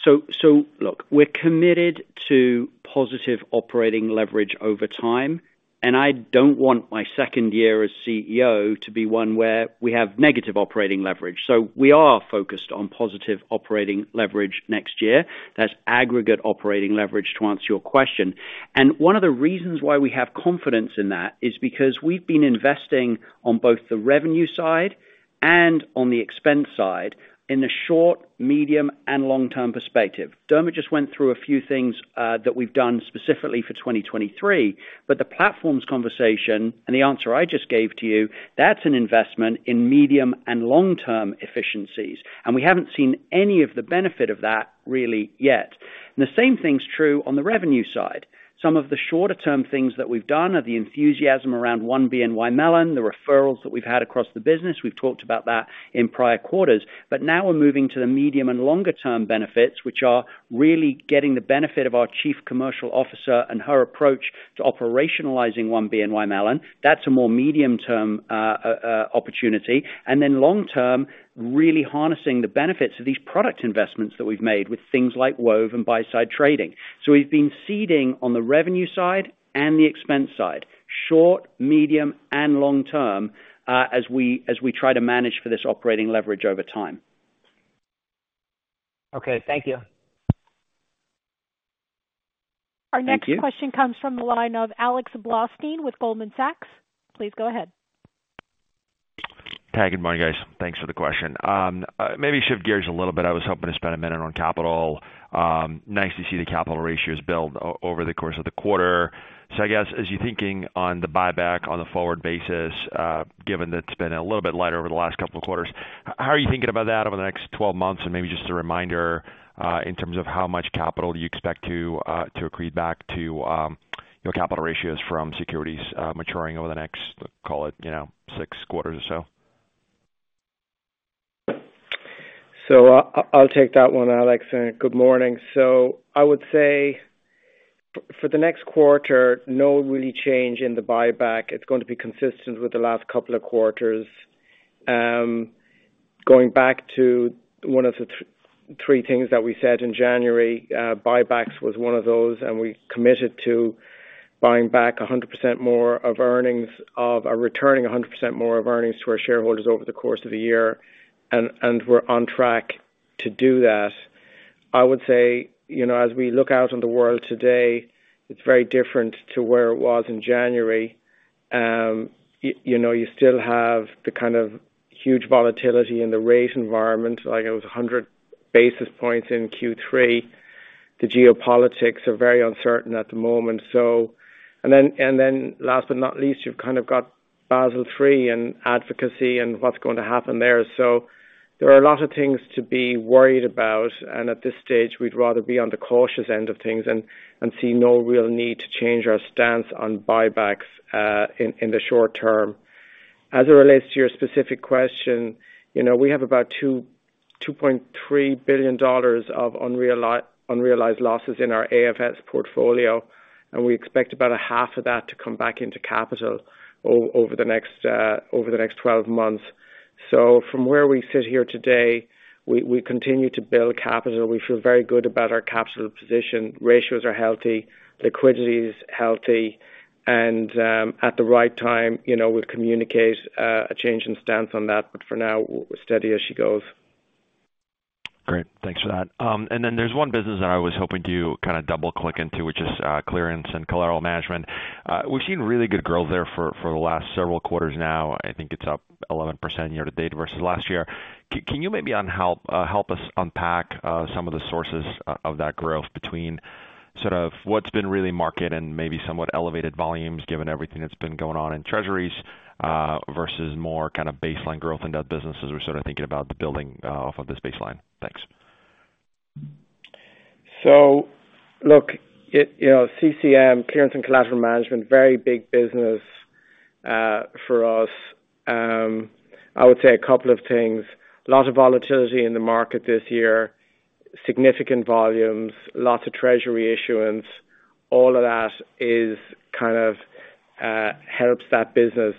So, so look, we're committed to positive operating leverage over time, and I don't want my second year as CEO to be one where we have negative operating leverage. So we are focused on positive operating leverage next year. That's aggregate operating leverage, to answer your question. And one of the reasons why we have confidence in that is because we've been investing on both the revenue side and on the expense side in the short, medium, and long-term perspective. Dermot just went through a few things that we've done specifically for 2023, but the platforms conversation and the answer I just gave to you, that's an investment in medium and long-term efficiencies, and we haven't seen any of the benefit of that really yet. And the same thing's true on the revenue side. Some of the shorter term things that we've done are the enthusiasm around One BNY Mellon, the referrals that we've had across the business. We've talked about that in prior quarters, but now we're moving to the medium and longer term benefits, which are really getting the benefit of our Chief Commercial Officer and her approach to operationalizing One BNY Mellon. That's a more medium-term opportunity, and then long term, really harnessing the benefits of these product investments that we've made with things like Wove and buy-side trading. So we've been seeding on the revenue side and the expense side, short, medium, and long term, as we try to manage for this operating leverage over time. Okay, thank you. Our next question comes from the line of Alex Blostein with Goldman Sachs. Please go ahead. Hi, good morning, guys. Thanks for the question. Maybe shift gears a little bit. I was hoping to spend a minute on capital. Nice to see the capital ratios build over the course of the quarter. So I guess, as you're thinking on the buyback on the forward basis, given that it's been a little bit lighter over the last couple of quarters, how are you thinking about that over the next 12 months? And maybe just a reminder, in terms of how much capital do you expect to accrete back to your capital ratios from securities maturing over the next, call it, you know, six quarters or so? So I'll take that one, Alex, and good morning. So I would say for the next quarter, no real change in the buyback. It's going to be consistent with the last couple of quarters. Going back to one of the three things that we said in January, buybacks was one of those, and we committed to buying back 100% more of earnings... of, returning 100% more of earnings to our shareholders over the course of the year, and, and we're on track to do that. I would say, you know, as we look out on the world today, it's very different to where it was in January. You know, you still have the kind of huge volatility in the rate environment, like it was 100 basis points in Q3. The geopolitics are very uncertain at the moment, so... And then, and then last but not least, you've kind of got Basel III and advocacy and what's going to happen there. So there are a lot of things to be worried about, and at this stage, we'd rather be on the cautious end of things and see no real need to change our stance on buybacks in the short term. As it relates to your specific question, you know, we have about $2.3 billion of unrealized losses in our AFS portfolio, and we expect about half of that to come back into capital over the next 12 months. So from where we sit here today, we continue to build capital. We feel very good about our capital position. Ratios are healthy, liquidity is healthy, and at the right time, you know, we'll communicate a change in stance on that, but for now, steady as she goes. Great, thanks for that. And then there's one business that I was hoping to kind of double-click into, which is clearance and collateral management. We've seen really good growth there for the last several quarters now. I think it's up 11% year to date versus last year. Can you maybe help us unpack some of the sources of that growth between sort of what's been really market and maybe somewhat elevated volumes, given everything that's been going on in Treasuries, versus more kind of baseline growth in that business as we're sort of thinking about building off of this baseline? Thanks. So look, you know, CCM, Clearance and Collateral Management, very big business for us. I would say a couple of things, a lot of volatility in the market this year, significant volumes, lots of treasury issuance, all of that is kind of helps that business.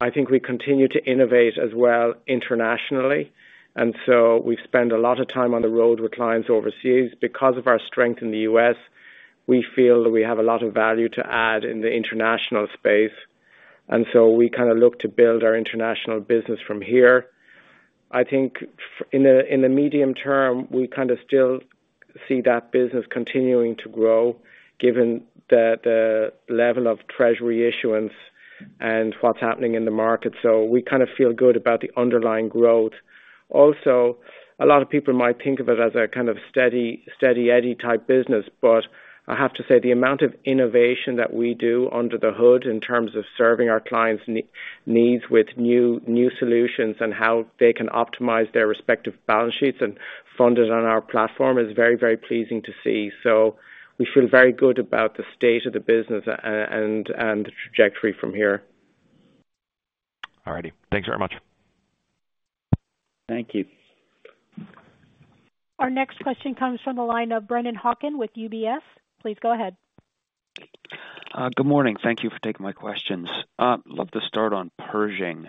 I think we continue to innovate as well internationally, and so we spend a lot of time on the road with clients overseas. Because of our strength in the US, we feel that we have a lot of value to add in the international space, and so we kind of look to build our international business from here. I think in the medium term, we kind of still see that business continuing to grow, given the level of treasury issuance and what's happening in the market, so we kind of feel good about the underlying growth. Also, a lot of people might think of it as a kind of steady eddy type business, but I have to say, the amount of innovation that we do under the hood in terms of serving our clients' needs with new solutions and how they can optimize their respective balance sheets and fund it on our platform, is very, very pleasing to see. So we feel very good about the state of the business and the trajectory from here. All righty. Thanks very much. Thank you. Our next question comes from the line of Brennan Hawken with UBS. Please go ahead. Good morning. Thank you for taking my questions. Love to start on Pershing.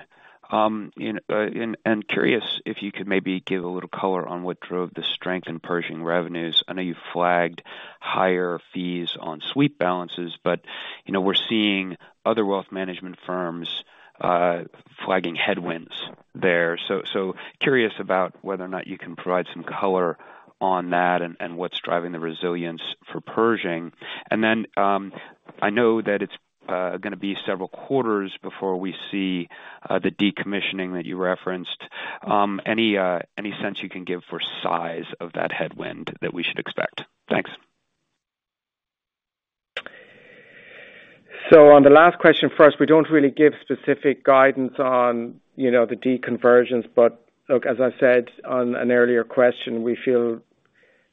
And curious if you could maybe give a little color on what drove the strength in Pershing revenues. I know you flagged higher fees on sweep balances, but, you know, we're seeing other wealth management firms flagging headwinds there. So curious about whether or not you can provide some color on that and what's driving the resilience for Pershing. And then, I know that it's gonna be several quarters before we see the decommissioning that you referenced. Any sense you can give for size of that headwind that we should expect? Thanks. So on the last question first, we don't really give specific guidance on, you know, the deconversions, but look, as I said on an earlier question, we feel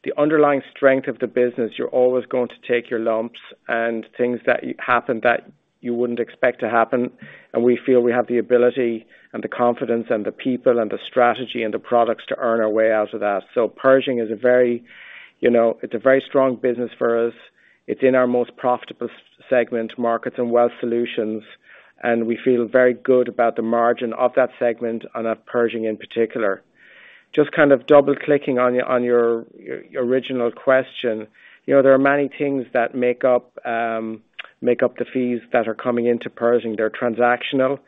the underlying strength of the business. You're always going to take your lumps and things that happened that you wouldn't expect to happen, and we feel we have the ability and the confidence and the people and the strategy and the products to earn our way out of that. So Pershing is a very, you know, it's a very strong business for us. It's in our most profitable segment, markets and wealth solutions, and we feel very good about the margin of that segment and of Pershing in particular. Just kind of double clicking on your original question. You know, there are many things that make up, make up the fees that are coming into Pershing. They're transactional,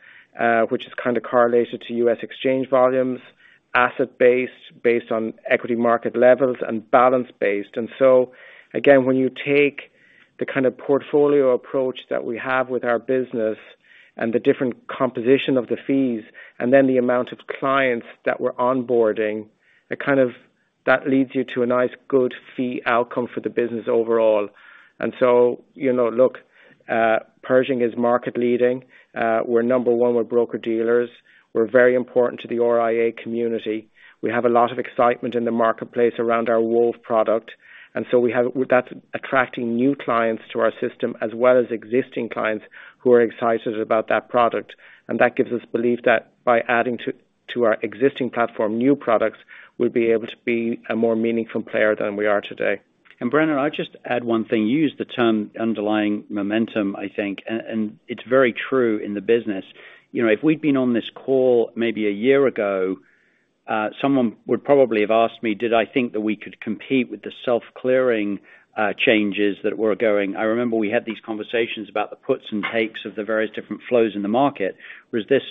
which is kind of correlated to U.S. exchange volumes, asset based, based on equity market levels and balance based. And so, again, when you take the kind of portfolio approach that we have with our business and the different composition of the fees, and then the amount of clients that we're onboarding, it kind of, that leads you to a nice, good fee outcome for the business overall. And so, you know, look, Pershing is market leading. We're number one with broker-dealers. We're very important to the RIA community. We have a lot of excitement in the marketplace around our Wove product, and so that's attracting new clients to our system as well as existing clients who are excited about that product. That gives us belief that by adding to our existing platform, new products, we'll be able to be a more meaningful player than we are today. Brennan, I'll just add one thing. You used the term underlying momentum, I think, and it's very true in the business. You know, if we'd been on this call maybe a year ago, someone would probably have asked me, did I think that we could compete with the self-clearing changes that were going. I remember we had these conversations about the puts and takes of the various different flows in the market, whereas this,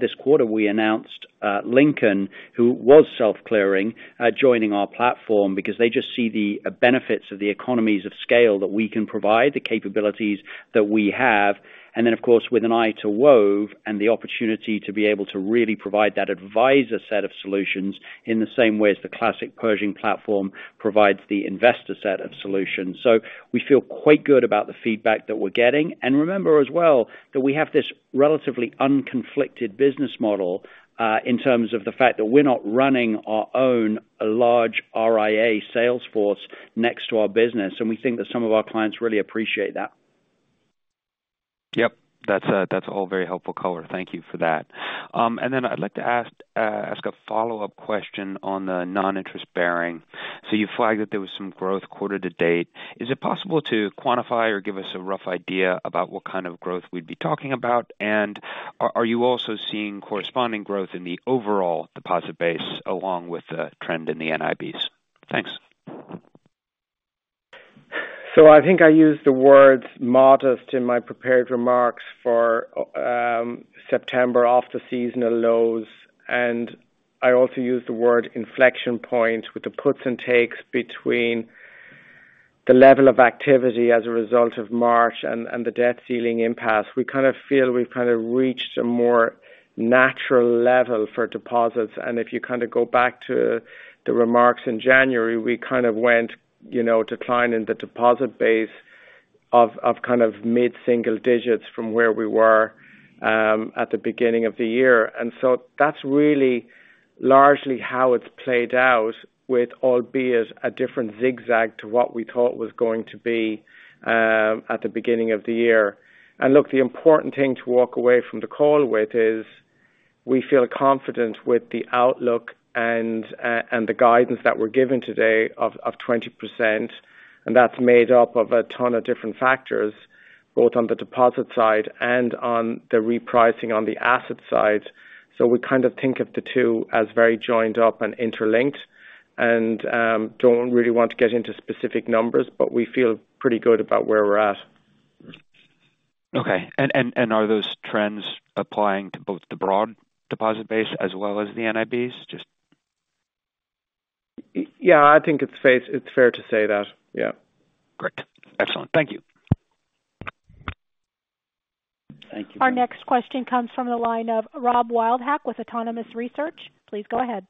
this quarter, we announced Lincoln, who was self-clearing, joining our platform because they just see the benefits of the economies of scale that we can provide, the capabilities that we have. And then, of course, with an eye to Wove and the opportunity to be able to really provide that advisor set of solutions in the same way as the classic Pershing platform provides the investor set of solutions. So we feel quite good about the feedback that we're getting. And remember as well, that we have this relatively unconflicted business model, in terms of the fact that we're not running our own large RIA sales force next to our business, and we think that some of our clients really appreciate that. Yep, that's all very helpful color. Thank you for that. And then I'd like to ask a follow-up question on the non-interest-bearing. So you flagged that there was some growth quarter to date. Is it possible to quantify or give us a rough idea about what kind of growth we'd be talking about? And are you also seeing corresponding growth in the overall deposit base along with the trend in the NIBs? Thanks. So I think I used the words modest in my prepared remarks for September off the seasonal lows. And I also used the word inflection point, with the puts and takes between the level of activity as a result of March and the debt ceiling impasse. We kind of feel we've kind of reached a more natural level for deposits, and if you kind of go back to the remarks in January, we kind of went, you know, decline in the deposit base of kind of mid-single digits from where we were at the beginning of the year. And so that's really largely how it's played out, with, albeit, a different zigzag to what we thought was going to be at the beginning of the year. Look, the important thing to walk away from the call with is, we feel confident with the outlook and the guidance that we're giving today of 20%, and that's made up of a ton of different factors, both on the deposit side and on the repricing on the asset side. We kind of think of the two as very joined up and interlinked and don't really want to get into specific numbers, but we feel pretty good about where we're at. Okay. And are those trends applying to both the broad deposit base as well as the NIBs? Just- Yeah, I think it's safe, it's fair to say that. Yeah. Great. Excellent. Thank you. Thank you. Our next question comes from the line of Rob Wildhack with Autonomous Research. Please go ahead.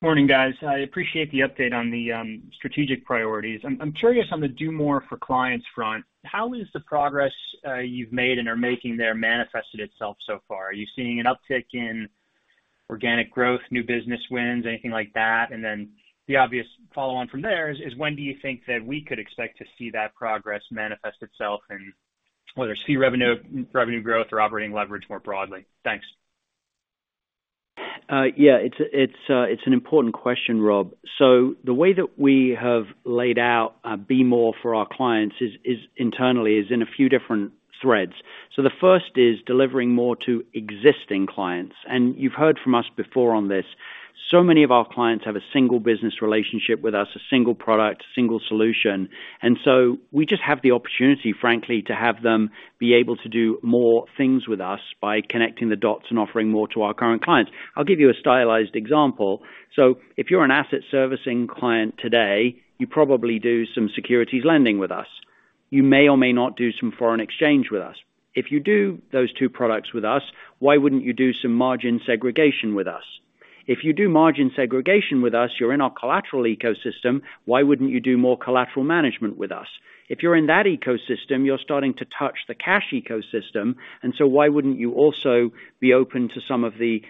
Morning, guys. I appreciate the update on the strategic priorities. I'm curious on the do more for clients front, how is the progress you've made and are making there manifested itself so far? Are you seeing an uptick in organic growth, new business wins, anything like that? And then the obvious follow on from there is when do you think that we could expect to see that progress manifest itself and whether it's fee revenue, revenue growth or operating leverage more broadly? Thanks. Yeah, it's an important question, Rob. So the way that we have laid out be more for our clients is internally in a few different threads. So the first is delivering more to existing clients, and you've heard from us before on this. So many of our clients have a single business relationship with us, a single product, a single solution, and so we just have the opportunity, frankly, to have them be able to do more things with us by connecting the dots and offering more to our current clients. I'll give you a stylized example. So if you're an asset servicing client today, you probably do some securities lending with us. You may or may not do some foreign exchange with us. If you do those two products with us, why wouldn't you do some margin segregation with us? If you do margin segregation with us, you're in our collateral ecosystem, why wouldn't you do more collateral management with us? If you're in that ecosystem, you're starting to touch the cash ecosystem, and so why wouldn't you also be open to some of the,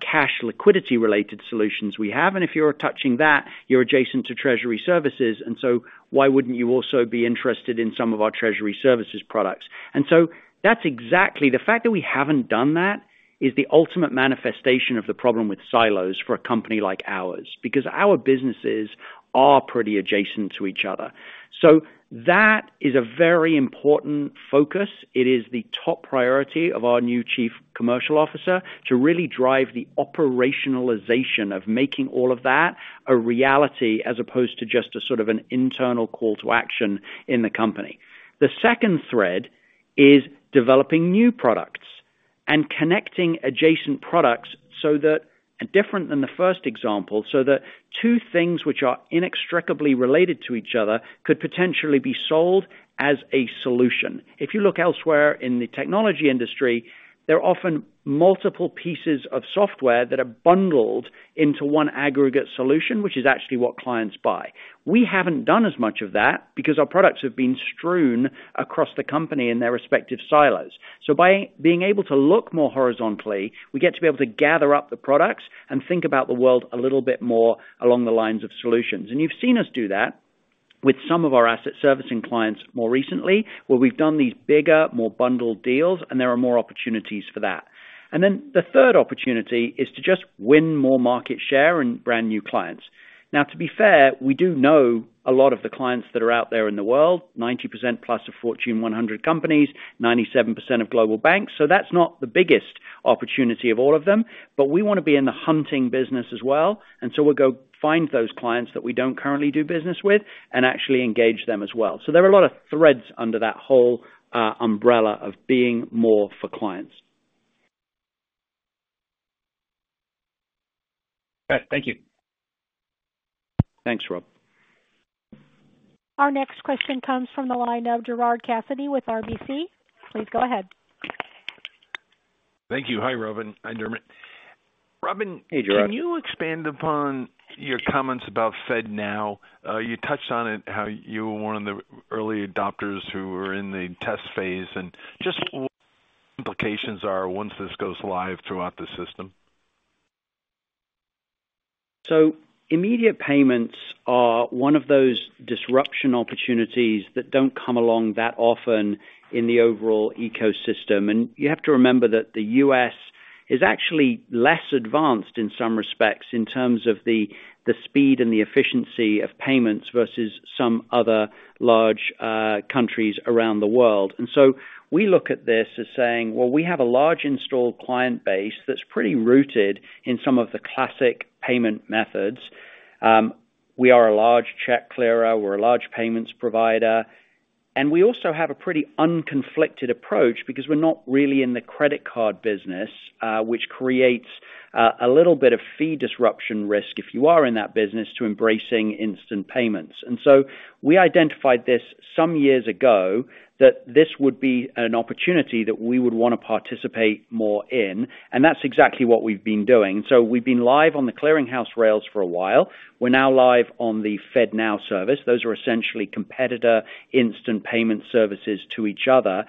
cash liquidity-related solutions we have? And if you're touching that, you're adjacent to treasury services, and so why wouldn't you also be interested in some of our treasury services products? And so that's exactly. The fact that we haven't done that, is the ultimate manifestation of the problem with silos for a company like ours, because our businesses are pretty adjacent to each other. So that is a very important focus. It is the top priority of our new Chief Commercial Officer to really drive the operationalization of making all of that a reality, as opposed to just a sort of an internal call to action in the company. The second thread is developing new products and connecting adjacent products so that, different than the first example, so that two things which are inextricably related to each other could potentially be sold as a solution. If you look elsewhere in the technology industry, there are often multiple pieces of software that are bundled into one aggregate solution, which is actually what clients buy. We haven't done as much of that because our products have been strewn across the company in their respective silos. So by being able to look more horizontally, we get to be able to gather up the products and think about the world a little bit more along the lines of solutions. And you've seen us do that with some of our asset servicing clients more recently, where we've done these bigger, more bundled deals, and there are more opportunities for that. And then the third opportunity is to just win more market share and brand new clients. Now, to be fair, we do know a lot of the clients that are out there in the world, 90%+ of Fortune 100 companies, 97% of global banks. So that's not the biggest opportunity of all of them, but we want to be in the hunting business as well, and so we'll go find those clients that we don't currently do business with and actually engage them as well. So there are a lot of threads under that whole, umbrella of being more for clients. Great. Thank you. Thanks, Rob. Our next question comes from the line of Gerard Cassidy with RBC. Please go ahead. Thank you. Hi, Robin. Hi, Dermot. Robin- Hey, Gerard. Can you expand upon your comments about FedNow? You touched on it, how you were one of the early adopters who were in the test phase, and just what implications are once this goes live throughout the system. So immediate payments are one of those disruption opportunities that don't come along that often in the overall ecosystem. And you have to remember that the U.S. is actually less advanced in some respects, in terms of the speed and the efficiency of payments versus some other large countries around the world. And so we look at this as saying, well, we have a large installed client base that's pretty rooted in some of the classic payment methods. We are a large check clearer, we're a large payments provider, and we also have a pretty unconflicted approach because we're not really in the credit card business, which creates a little bit of fee disruption risk if you are in that business, to embracing instant payments. And so we identified this some years ago, that this would be an opportunity that we would want to participate more in, and that's exactly what we've been doing. So we've been live on the clearinghouse rails for a while. We're now live on the FedNow service. Those are essentially competitor instant payment services to each other.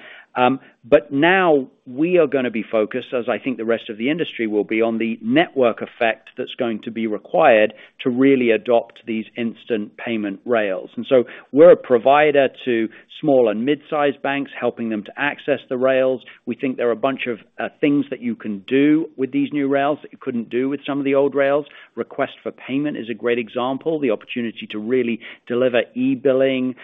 But now we are gonna be focused, as I think the rest of the industry will be, on the network effect that's going to be required to really adopt these instant payment rails. And so we're a provider to small and mid-sized banks, helping them to access the rails. We think there are a bunch of things that you can do with these new rails, that you couldn't do with some of the old rails. Request for payment is a great example. The opportunity to really deliver e-billing,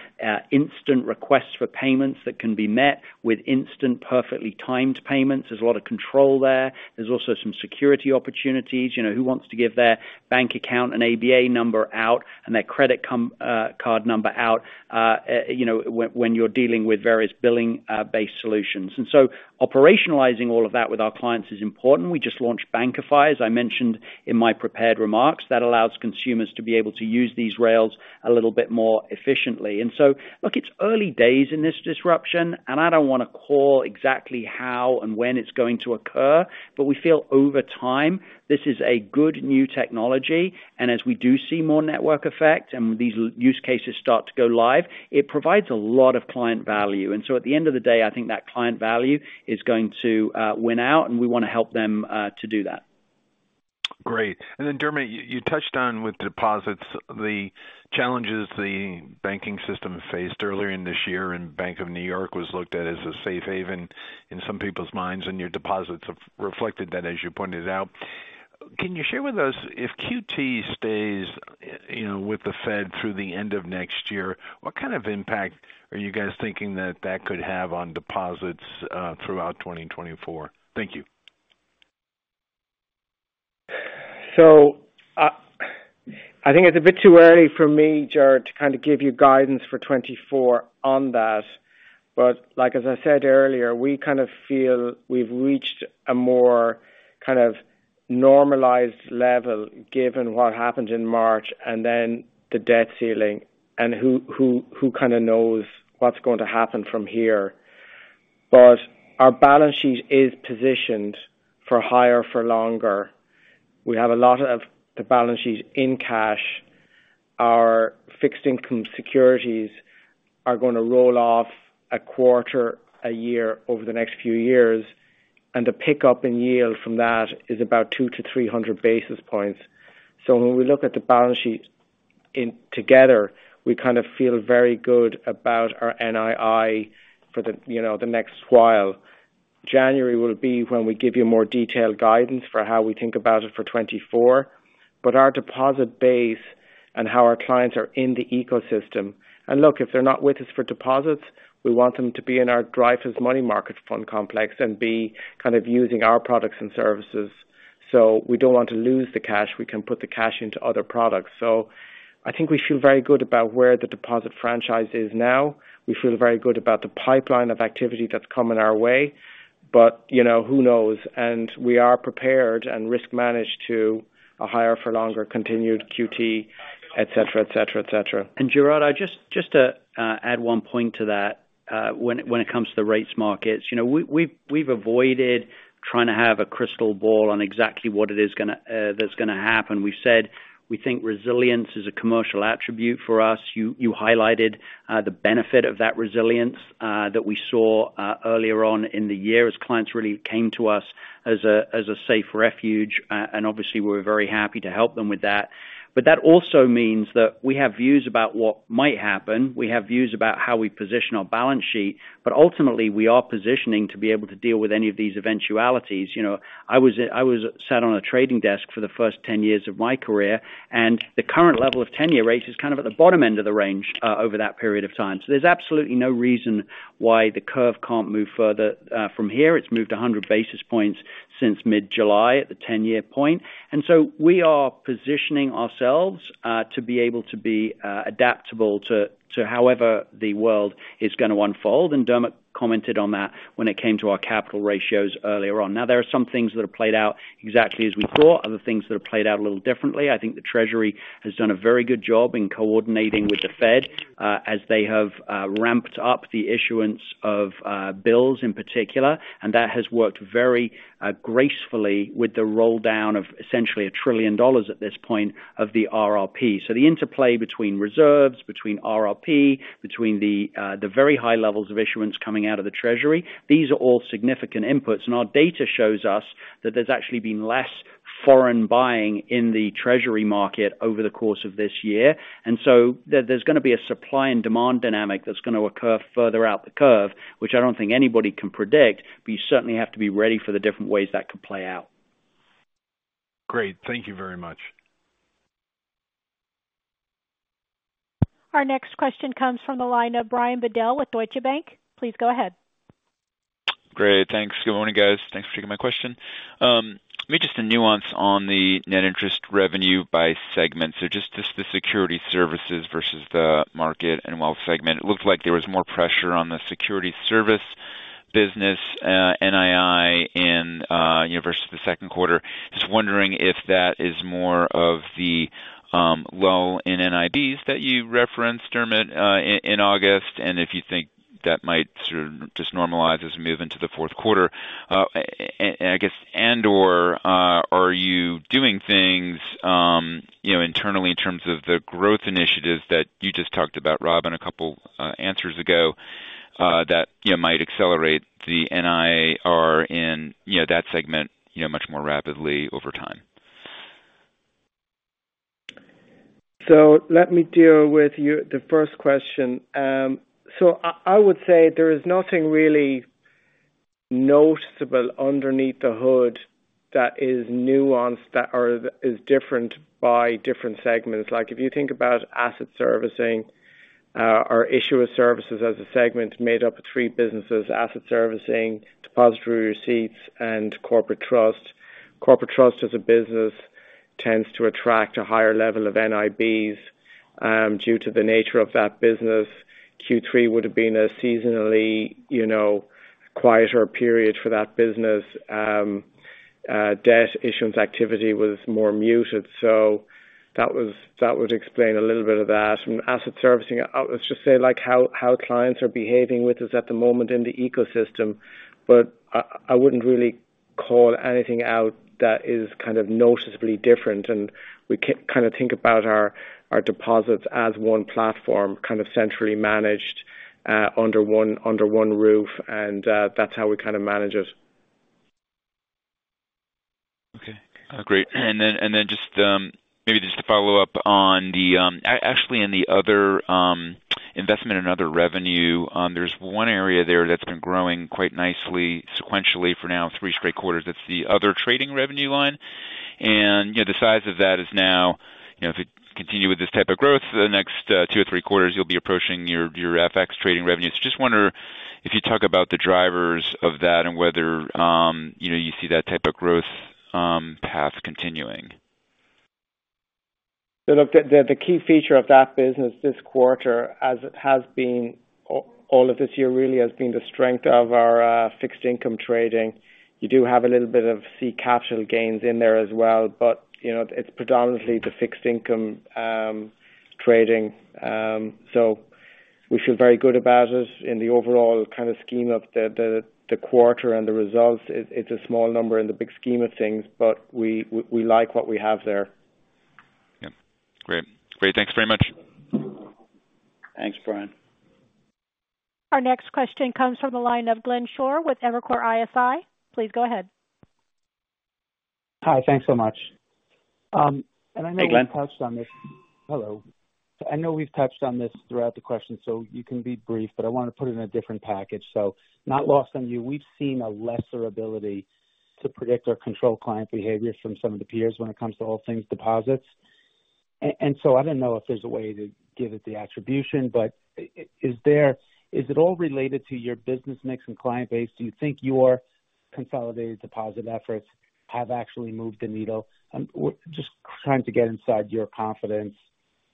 instant requests for payments that can be met with instant, perfectly timed payments. There's a lot of control there. There's also some security opportunities. You know, who wants to give their bank account and ABA number out and their credit card number out, you know, when you're dealing with various billing based solutions? And so operationalizing all of that with our clients is important. We just launched Bankify, as I mentioned in my prepared remarks. That allows consumers to be able to use these rails a little bit more efficiently. And so look, it's early days in this disruption, and I don't want to call exactly how and when it's going to occur, but we feel over time, this is a good new technology, and as we do see more network effect and these use cases start to go live, it provides a lot of client value. And so at the end of the day, I think that client value is going to win out, and we want to help them to do that. Great. And then, Dermot, you touched on with deposits, the challenges the banking system faced earlier in this year, and Bank of New York was looked at as a safe haven in some people's minds, and your deposits have reflected that, as you pointed out. Can you share with us, if QT stays, you know, with the Fed through the end of next year, what kind of impact are you guys thinking that that could have on deposits throughout 2024? Thank you. So, I think it's a bit too early for me, Gerard, to kind of give you guidance for 2024 on that. But like, as I said earlier, we kind of feel we've reached a more kind of normalized level given what happened in March and then the debt ceiling and who kind of knows what's going to happen from here. But our balance sheet is positioned for higher, for longer. We have a lot of the balance sheet in cash. Our fixed income securities are going to roll off a quarter a year over the next few years, and the pickup in yield from that is about 200-300 basis points. So when we look at the balance sheet in together, we kind of feel very good about our NII for the, you know, the next while. January will be when we give you more detailed guidance for how we think about it for 2024. But our deposit base and how our clients are in the ecosystem. And look, if they're not with us for deposits, we want them to be in our Dreyfus Money Market Fund Complex and be kind of using our products and services. So we don't want to lose the cash. We can put the cash into other products. So I think we feel very good about where the deposit franchise is now. We feel very good about the pipeline of activity that's coming our way, but, you know, who knows? And we are prepared and risk managed to a higher for longer continued QT, et cetera, et cetera, et cetera. And Gerard, I just to add one point to that, when it comes to the rates markets, you know, we've avoided trying to have a crystal ball on exactly what it is gonna that's gonna happen. We've said we think resilience is a commercial attribute for us. You highlighted the benefit of that resilience that we saw earlier on in the year as clients really came to us as a safe refuge. And obviously, we're very happy to help them with that. But that also means that we have views about what might happen. We have views about how we position our balance sheet, but ultimately, we are positioning to be able to deal with any of these eventualities. You know, I was, I was sat on a trading desk for the first 10 years of my career, and the current level of 10-year rates is kind of at the bottom end of the range over that period of time. So there's absolutely no reason why the curve can't move further from here. It's moved 100 basis points since mid-July at the 10-year point, and so we are positioning ourselves to be able to be adaptable to however the world is gonna unfold. And Dermot commented on that when it came to our capital ratios earlier on. Now, there are some things that have played out exactly as we thought, other things that have played out a little differently. I think the Treasury has done a very good job in coordinating with the Fed, as they have ramped up the issuance of bills in particular, and that has worked very gracefully with the roll down of essentially $1 trillion at this point of the RRP. So the interplay between reserves, between RRP, between the very high levels of issuance coming out of the Treasury, these are all significant inputs, and our data shows us that there's actually been less foreign buying in the Treasury market over the course of this year. And so there, there's gonna be a supply and demand dynamic that's gonna occur further out the curve, which I don't think anybody can predict, but you certainly have to be ready for the different ways that could play out. Great. Thank you very much. Our next question comes from the line of Brian Bedell with Deutsche Bank. Please go ahead. Great. Thanks. Good morning, guys. Thanks for taking my question. Maybe just a nuance on the net interest revenue by segment. So just the security services versus the market and wealth segment, it looked like there was more pressure on the security service business, NII in, you know, versus the second quarter. Just wondering if that is more of the, low in NIBs that you referenced, Dermot, in August, and if you think that might sort of just normalize as we move into the fourth quarter? And I guess, and/or, are you doing things, you know, internally in terms of the growth initiatives that you just talked about, Rob, in a couple, answers ago, that, you know, might accelerate the NIR and you know, that segment, you know, much more rapidly over time? So let me deal with your first question. So I would say there is nothing really noticeable underneath the hood that is nuanced, that, or is different by different segments. Like, if you think about asset servicing, our issuer services as a segment made up of three businesses, asset servicing, depository receipts, and corporate trust. Corporate trust as a business tends to attract a higher level of NIBs due to the nature of that business. Q3 would have been a seasonally, you know, quieter period for that business. Debt issuance activity was more muted, so that would explain a little bit of that. Asset servicing, let's just say, like, how clients are behaving with us at the moment in the ecosystem, but I wouldn't really call anything out that is kind of noticeably different, and we kind of think about our deposits as one platform, kind of centrally managed, under one roof, and that's how we kind of manage it. Okay, great. And then just, maybe just to follow up on the actually in the other investment and other revenue, there's one area there that's been growing quite nicely sequentially for now, three straight quarters. That's the other trading revenue line. And, you know, the size of that is now, you know, if it continue with this type of growth for the next two or three quarters, you'll be approaching your FX trading revenues. So just wonder if you talk about the drivers of that and whether, you know, you see that type of growth path continuing. So look, the key feature of that business this quarter, as it has been all of this year, really, has been the strength of our fixed income trading. You do have a little bit of capital gains in there as well, but, you know, it's predominantly the fixed income trading. So we feel very good about it in the overall kind of scheme of the quarter and the results. It's a small number in the big scheme of things, but we like what we have there. Yep. Great. Great, thanks very much. Thanks, Brian. Our next question comes from the line of Glenn Schorr with Evercore ISI. Please go ahead. Hi, thanks so much. And I know- Hey, Glenn. You touched on this. Hello. I know we've touched on this throughout the question, so you can be brief, but I want to put it in a different package, so not lost on you. We've seen a lesser ability to predict or control client behaviors from some of the peers when it comes to all things deposits. And so I don't know if there's a way to give it the attribution, but is there - is it all related to your business mix and client base? Do you think your consolidated deposit efforts have actually moved the needle? We're just trying to get inside your confidence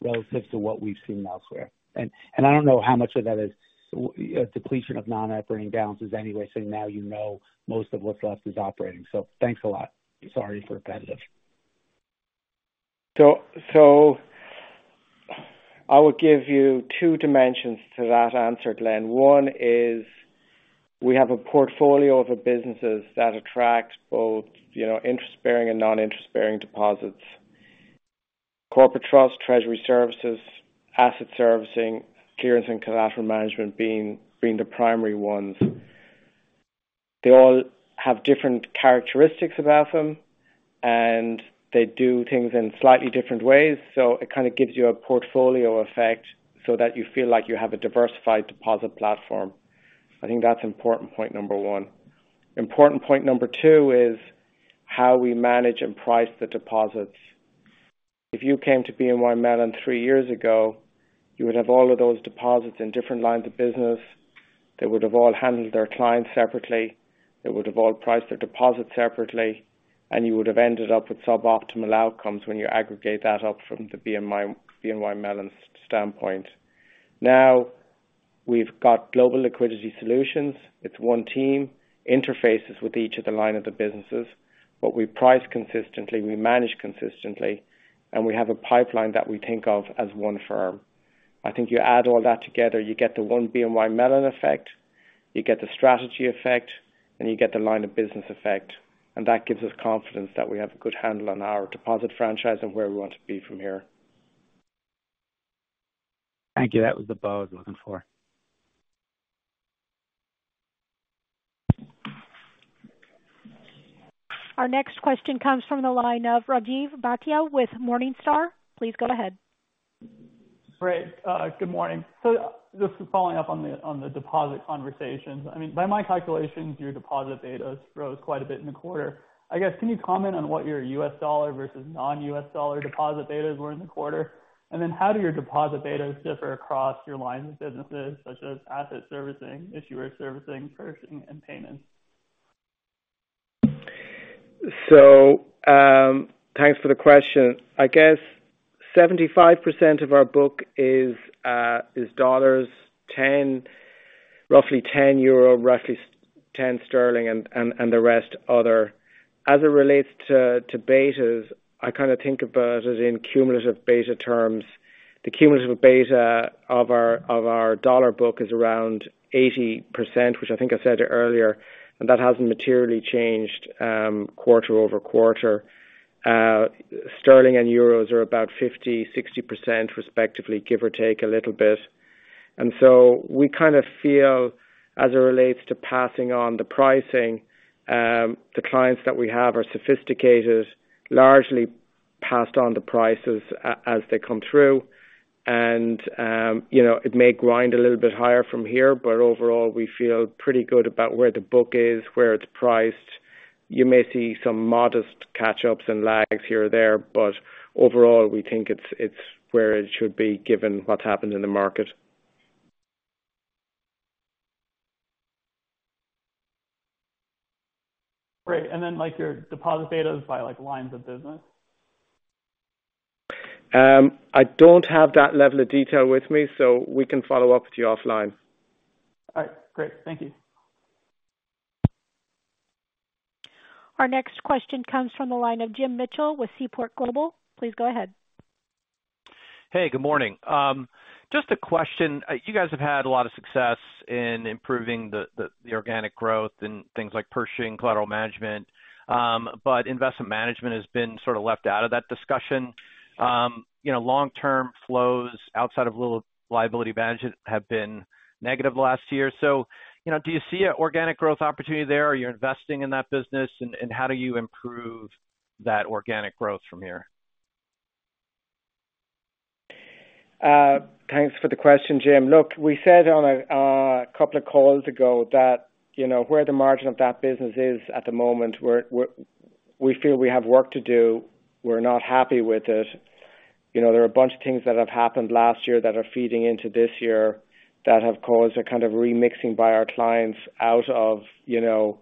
relative to what we've seen elsewhere. And I don't know how much of that is a depletion of non-earning balances anyway, so now you know most of what's left is operating. So thanks a lot. Sorry for repetitive. So I will give you two dimensions to that answer, Glenn. One is we have a portfolio of businesses that attracts both, you know, interest-bearing and non-interest-bearing deposits. Corporate trust, treasury services, asset servicing, clearance and collateral management being the primary ones. They all have different characteristics about them, and they do things in slightly different ways, so it kind of gives you a portfolio effect so that you feel like you have a diversified deposit platform. I think that's important point number one. Important point number two is how we manage and price the deposits. If you came to BNY Mellon three years ago, you would have all of those deposits in different lines of business. They would have all handled their clients separately. They would have all priced their deposits separately, and you would have ended up with suboptimal outcomes when you aggregate that up from the BNY Mellon's standpoint. Now, we've got global liquidity solutions. It's one team, interfaces with each of the line of the businesses. What we price consistently, we manage consistently, and we have a pipeline that we think of as one firm. I think you add all that together, you get the one BNY Mellon effect, you get the strategy effect, and you get the line of business effect, and that gives us confidence that we have a good handle on our deposit franchise and where we want to be from here. Thank you. That was the bow I was looking for. Our next question comes from the line of Rajiv Bhatia with Morningstar. Please go ahead. Great. Good morning. So just following up on the deposit conversations. I mean, by my calculations, your deposit betas rose quite a bit in the quarter. I guess, can you comment on what your U.S. dollar versus non-U.S. dollar deposit betas were in the quarter? And then how do your deposit betas differ across your lines of businesses, such as asset servicing, issuer servicing, Pershing and payments? So, thanks for the question. I guess 75% of our book is dollars, roughly 10% euro, roughly 10% sterling, and the rest, other. As it relates to betas, I kind of think about it in cumulative beta terms. The cumulative beta of our dollar book is around 80%, which I think I said earlier, and that hasn't materially changed quarter-over-quarter. Sterling and euros are about 50%, 60% respectively, give or take a little bit. And so we kind of feel, as it relates to passing on the pricing, the clients that we have are sophisticated, largely passed on the prices as they come through. And you know, it may grind a little bit higher from here, but overall, we feel pretty good about where the book is, where it's priced. You may see some modest catch-ups and lags here or there, but overall, we think it's where it should be given what's happened in the market. Great. And then, like, your deposit betas by, like, lines of business? I don't have that level of detail with me, so we can follow up with you offline. All right, great. Thank you. Our next question comes from the line of James Mitchell with Seaport Global. Please go ahead. Hey, good morning. Just a question. You guys have had a lot of success in improving the organic growth in things like purchasing, collateral management, but investment management has been sort of left out of that discussion. You know, long-term flows outside of little liability management have been negative last year. So, you know, do you see an organic growth opportunity there? Are you investing in that business, and how do you improve that organic growth from here? Thanks for the question, Jim. Look, we said on a couple of calls ago that, you know, where the margin of that business is at the moment, we're, we feel we have work to do. We're not happy with it. You know, there are a bunch of things that have happened last year that are feeding into this year that have caused a kind of remixing by our clients out of, you know,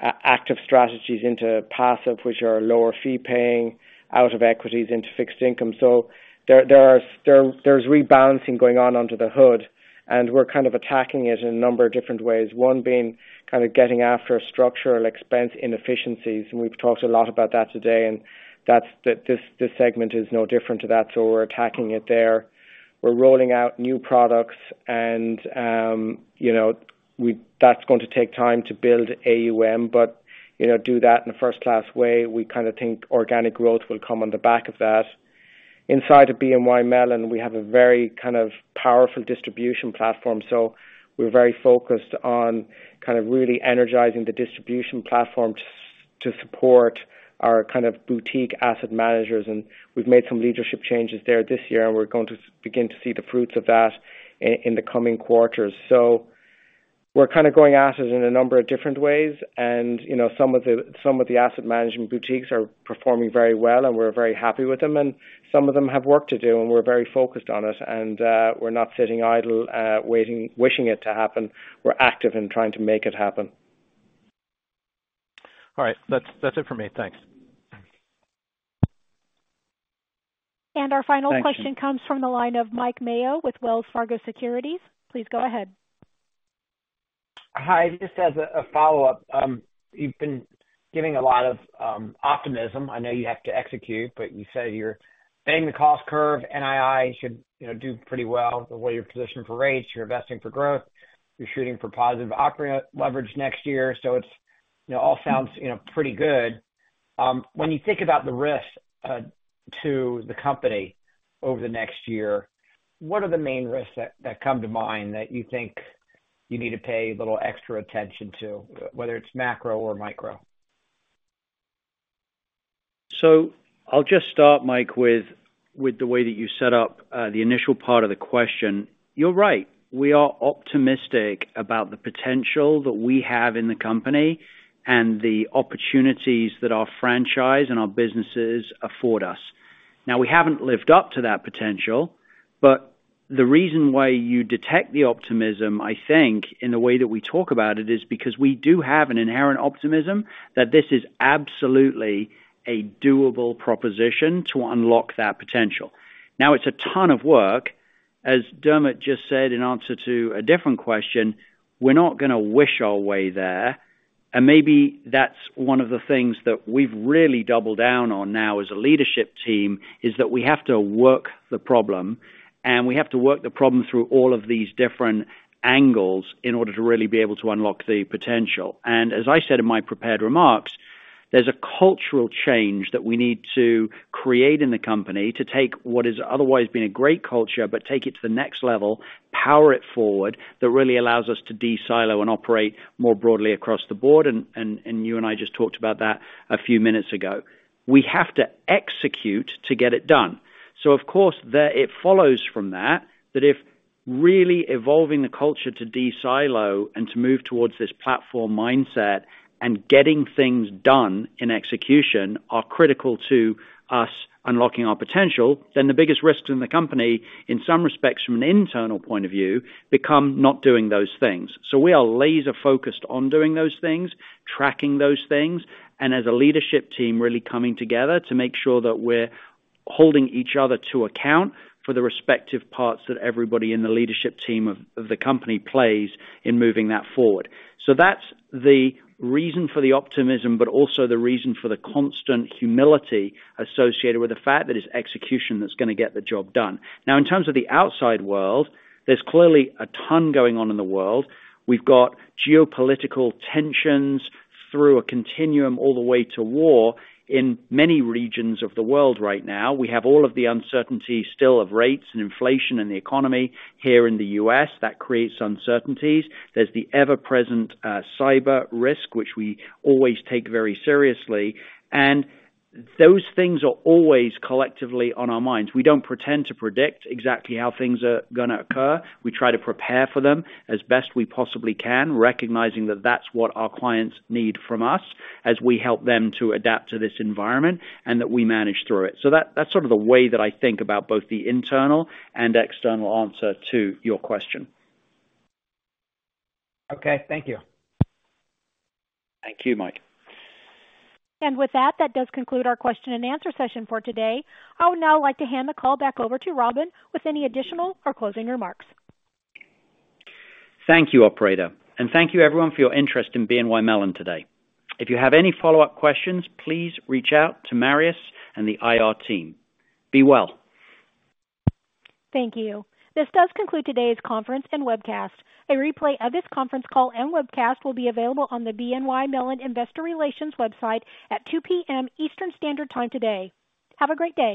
active strategies into passive, which are lower fee-paying out of equities into fixed income. So there are, there's rebalancing going on under the hood, and we're kind of attacking it in a number of different ways. One being kind of getting after structural expense inefficiencies, and we've talked a lot about that today, and that's... this, this segment is no different to that, so we're attacking it there. We're rolling out new products and, you know, we that's going to take time to build AUM, but, you know, do that in a first-class way. We kind of think organic growth will come on the back of that. Inside of BNY Mellon, we have a very kind of powerful distribution platform, so we're very focused on kind of really energizing the distribution platform to support our kind of boutique asset managers. And we've made some leadership changes there this year, and we're going to begin to see the fruits of that in the coming quarters. So we're kind of going at it in a number of different ways. And, you know, some of the asset management boutiques are performing very well, and we're very happy with them, and some of them have work to do, and we're very focused on it, and we're not sitting idle, waiting, wishing it to happen. We're active in trying to make it happen. All right. That's, that's it for me. Thanks. Our final question. Thanks. comes from the line of Mike Mayo with Wells Fargo Securities. Please go ahead. Hi, just as a follow-up, you've been giving a lot of optimism. I know you have to execute, but you say you're paying the cost curve, NII should, you know, do pretty well. The way you're positioned for rates, you're investing for growth, you're shooting for positive operating leverage next year, so it's, you know, all sounds, you know, pretty good. When you think about the risks to the company over the next year, what are the main risks that come to mind that you think you need to pay a little extra attention to, whether it's macro or micro? So I'll just start, Mike, with the way that you set up the initial part of the question. You're right, we are optimistic about the potential that we have in the company and the opportunities that our franchise and our businesses afford us. Now, we haven't lived up to that potential, but the reason why you detect the optimism, I think, in the way that we talk about it, is because we do have an inherent optimism that this is absolutely a doable proposition to unlock that potential. Now, it's a ton of work. As Dermot just said in answer to a different question, we're not gonna wish our way there. Maybe that's one of the things that we've really doubled down on now as a leadership team, is that we have to work the problem, and we have to work the problem through all of these different angles in order to really be able to unlock the potential. As I said in my prepared remarks, there's a cultural change that we need to create in the company to take what has otherwise been a great culture, but take it to the next level, power it forward, that really allows us to de-silo and operate more broadly across the board. And, and, and you and I just talked about that a few minutes ago. We have to execute to get it done. So of course, it follows from that, that if really evolving the culture to de-silo and to move towards this platform mindset and getting things done in execution are critical to us unlocking our potential, then the biggest risks in the company, in some respects from an internal point of view, become not doing those things. So we are laser focused on doing those things, tracking those things, and as a leadership team, really coming together to make sure that we're holding each other to account for the respective parts that everybody in the leadership team of, of the company plays in moving that forward. So that's the reason for the optimism, but also the reason for the constant humility associated with the fact that it's execution that's gonna get the job done. Now, in terms of the outside world, there's clearly a ton going on in the world. We've got geopolitical tensions through a continuum all the way to war in many regions of the world right now. We have all of the uncertainty still of rates and inflation and the economy here in the U.S. That creates uncertainties. There's the ever-present, cyber risk, which we always take very seriously, and those things are always collectively on our minds. We don't pretend to predict exactly how things are gonna occur. We try to prepare for them as best we possibly can, recognizing that that's what our clients need from us as we help them to adapt to this environment and that we manage through it. So that, that's sort of the way that I think about both the internal and external answer to your question. Okay. Thank you. Thank you, Mike. With that, that does conclude our question and answer session for today. I would now like to hand the call back over to Robin with any additional or closing remarks. Thank you, operator, and thank you everyone for your interest in BNY Mellon today. If you have any follow-up questions, please reach out to Marius and the IR team. Be well. Thank you. This does conclude today's conference and webcast. A replay of this conference call and webcast will be available on the BNY Mellon Investor Relations website at 2:00 P.M. Eastern Standard Time today. Have a great day.